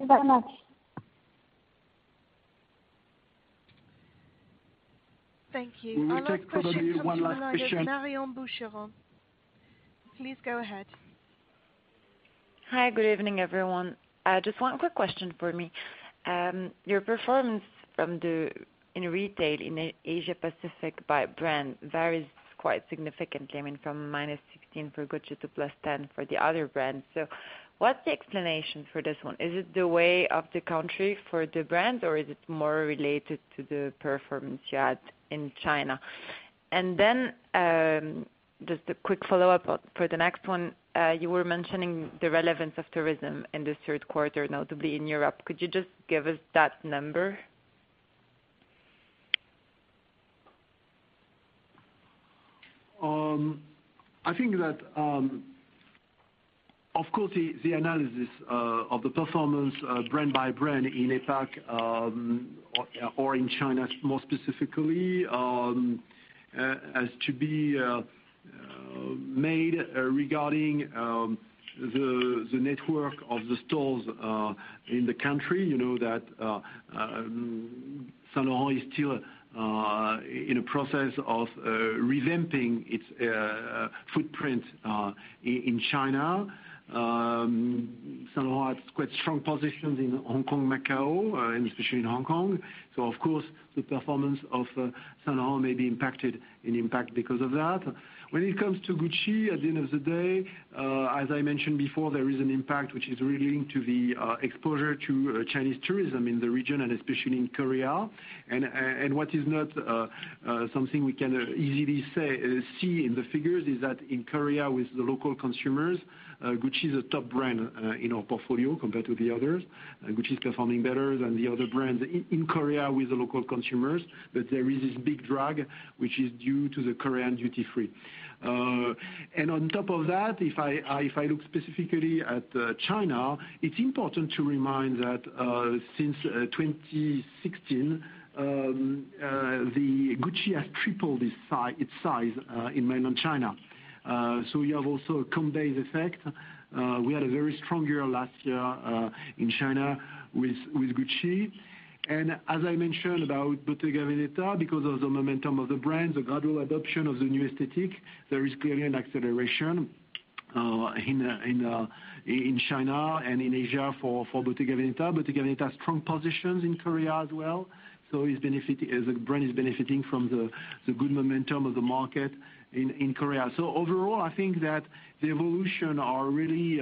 you very much. Thank you. We will take probably one last question. comes from [Inaudible audio]. Please go ahead. Hi, good evening, everyone. One quick question from me. Your performance in retail in Asia Pacific by brand varies quite significantly, I mean, from -16% for Gucci to +10% for the other brands. What's the explanation for this one? Is it the way of the country for the brand, or is it more related to the performance you had in China? A quick follow-up for the next one. You were mentioning the relevance of tourism in the third quarter, notably in Europe. Could you give us that number? I think that, of course, the analysis of the performance brand by brand in APAC or in China more specifically, has to be made regarding the network of the stores in the country. You know that Saint Laurent is still in a process of revamping its footprint in China. Saint Laurent has quite strong positions in Hong Kong, Macau, and especially in Hong Kong. Of course, the performance of Saint Laurent may be impacted, in fact, because of that. When it comes to Gucci, at the end of the day, as I mentioned before, there is an impact which is really linked to the exposure to Chinese tourism in the region and especially in Korea. What is not something we can easily see in the figures is that in Korea with the local consumers, Gucci is a top brand in our portfolio compared to the others, Gucci is performing better than the other brands in Korea with the local consumers. There is this big drag which is due to the Korean duty-free. On top of that, if I look specifically at China, it's important to remind that since 2016, Gucci has tripled its size in mainland China. We have also a compare effect. We had a very strong year last year in China with Gucci. As I mentioned about Bottega Veneta, because of the momentum of the brand, the gradual adoption of the new aesthetic, there is clearly an acceleration in China and in Asia for Bottega Veneta. Bottega Veneta has strong positions in Korea as well, the brand is benefiting from the good momentum of the market in Korea. Overall, I think that the evolution are really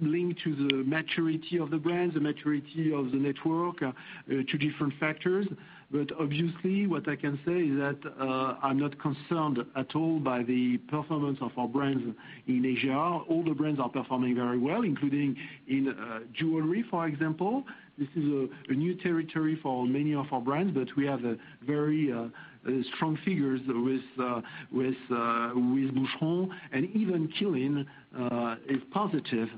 linked to the maturity of the brands, the maturity of the network, two different factors. Obviously, what I can say is that I'm not concerned at all by the performance of our brands in Asia. All the brands are performing very well, including in jewelry, for example. This is a new territory for many of our brands, but we have very strong figures with Boucheron and even Qeelin is positive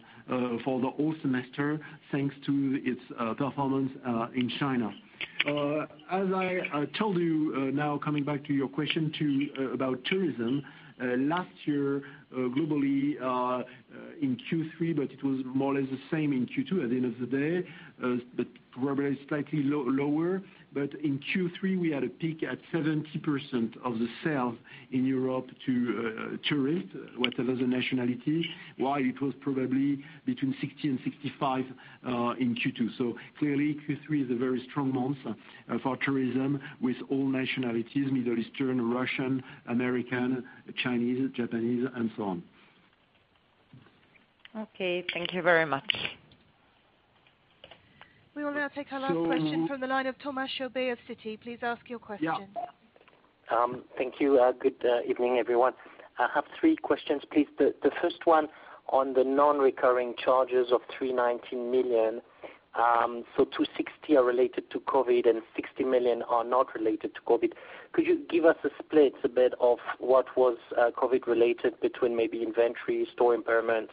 for the whole semester, thanks to its performance in China. As I told you, now coming back to your question about tourism. Last year, globally, in Q3, but it was more or less the same in Q2 at the end of the day, but probably slightly lower. In Q3, we had a peak at 70% of the sales in Europe to tourist, whatever the nationality. While it was probably between 60% and 65% in Q2. Clearly Q3 is a very strong month for tourism with all nationalities, Middle Eastern, Russian, American, Chinese, Japanese, and so on. Okay. Thank you very much. We will now take our last question from the line of Thomas Chauvet of Citi. Please ask your question. Thank you. Good evening, everyone. I have three questions, please. The first one on the non-recurring charges of 319 million. 260 million are related to COVID and 60 million are not related to COVID. Could you give us a split, a bit of what was COVID related between maybe inventory, store impairment,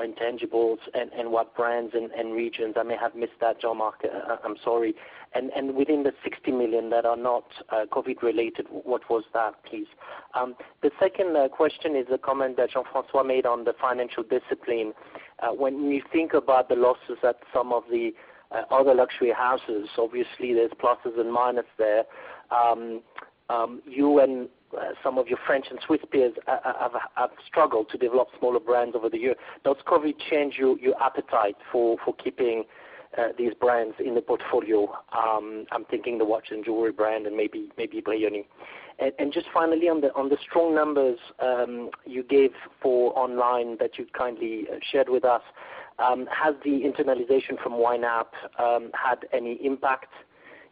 intangibles, and what brands and regions? I may have missed that, Jean-Marc, I'm sorry. Within the 60 million that are not COVID related, what was that, please? The second question is a comment that Jean-François made on the financial discipline. When you think about the losses at some of the other luxury houses, obviously there's pluses and minuses there. You and some of your French and Swiss peers have struggled to develop smaller brands over the years. Does COVID change your appetite for keeping these brands in the portfolio? I'm thinking the watch and jewelry brand and maybe Brioni. Just finally on the strong numbers you gave for online that you kindly shared with us, has the internalization from YNAP had any impact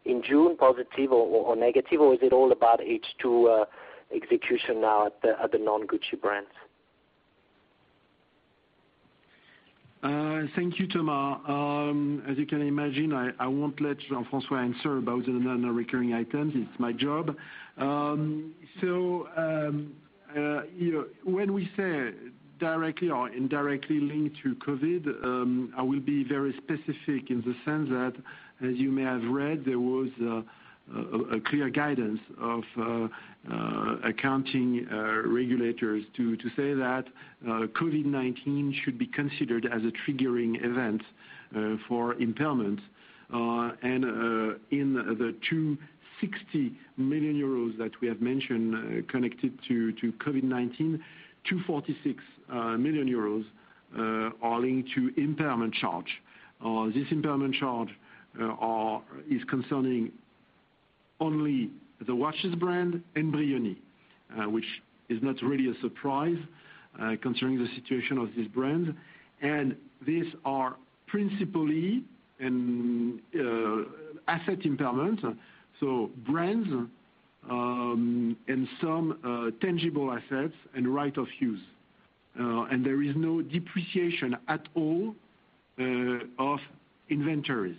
in June, positive or negative, or is it all about H2 execution now at the non-Gucci brands? Thank you, Thomas. As you can imagine, I won't let Jean-François answer about the non-recurring items. It's my job. When we say directly or indirectly linked to COVID, I will be very specific in the sense that, as you may have read, there was a clear guidance of accounting regulators to say that COVID-19 should be considered as a triggering event for impairment. In the 260 million euros that we have mentioned connected to COVID-19, 246 million euros are linked to impairment charge. This impairment charge is concerning only the watches brand and Brioni, which is not really a surprise considering the situation of this brand. These are principally asset impairment, so brands and some tangible assets and right-of-use. There is no depreciation at all of inventories.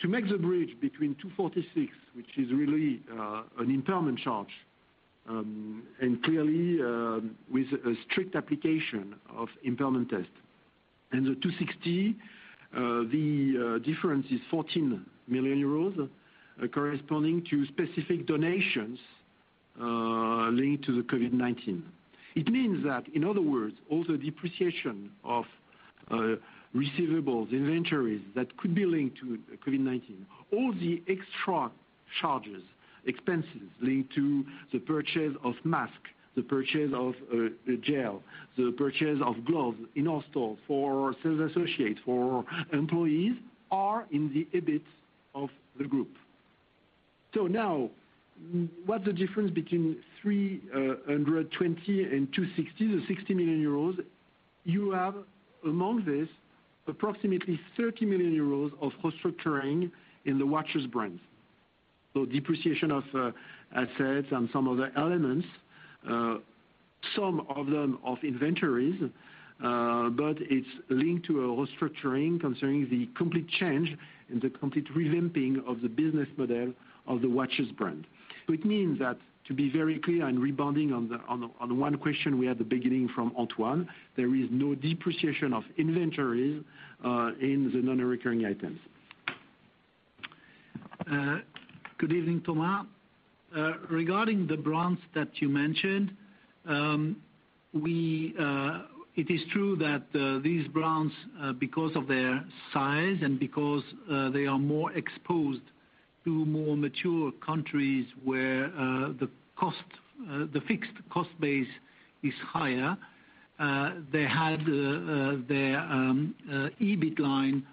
To make the bridge between 246, which is really an impairment charge, and clearly with a strict application of impairment test. The 260, the difference is 14 million euros corresponding to specific donations linked to the COVID-19. It means that, in other words, all the depreciation of receivables, inventories that could be linked to COVID-19. All the extra charges, expenses linked to the purchase of mask, the purchase of gel, the purchase of gloves in our store for sales associates, for employees are in the EBIT of the group. Now, what's the difference between 320 and 260? The 60 million euros, you have among this approximately 30 million euros of restructuring in the watches brands. Depreciation of assets and some other elements, some of them of inventories, but it's linked to a restructuring concerning the complete change and the complete revamping of the business model of the watches brand. It means that to be very clear and rebounding on one question we had at the beginning from Antoine, there is no depreciation of inventories, in the non-recurring items. Good evening, Thomas. Regarding the brands that you mentioned, it is true that these brands, because of their size and because they are more exposed to more mature countries where the fixed cost base is higher, they had their EBIT line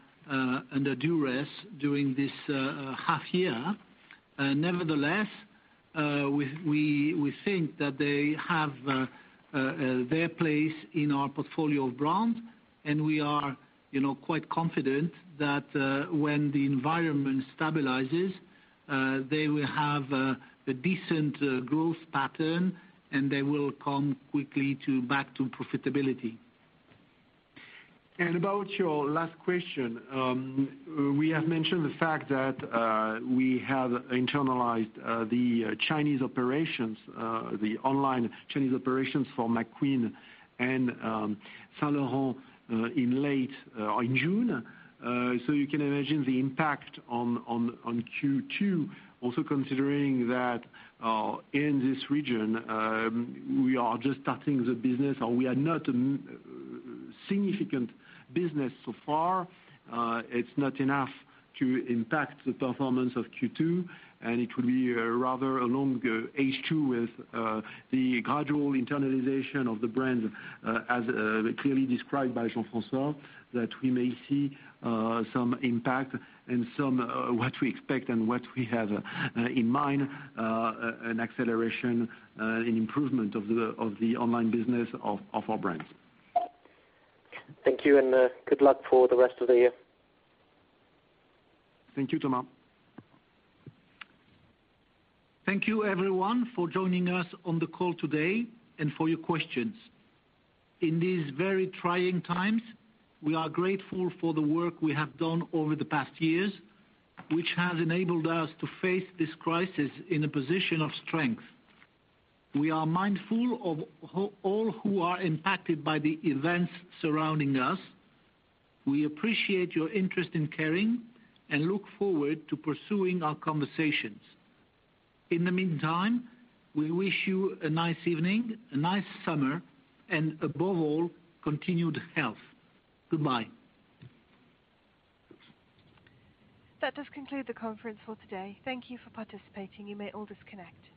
under duress during this half year. Nevertheless, we think that they have their place in our portfolio of brands, and we are quite confident that when the environment stabilizes, they will have a decent growth pattern, and they will come quickly back to profitability. About your last question, we have mentioned the fact that we have internalized the Chinese operations, the online Chinese operations for McQueen and Saint Laurent in June. You can imagine the impact on Q2, also considering that in this region, we are just starting the business or we are not a significant business so far. It will be rather along H2 with the gradual internalization of the brands, as clearly described by Jean-François, that we may see some impact and what we expect and what we have in mind, an acceleration, an improvement of the online business of our brands. Thank you, good luck for the rest of the year. Thank you, Thomas. Thank you everyone for joining us on the call today and for your questions. In these very trying times, we are grateful for the work we have done over the past years, which has enabled us to face this crisis in a position of strength. We are mindful of all who are impacted by the events surrounding us. We appreciate your interest in Kering and look forward to pursuing our conversations. In the meantime, we wish you a nice evening, a nice summer, and above all, continued health. Goodbye. That does conclude the conference for today. Thank you for participating. You may all disconnect.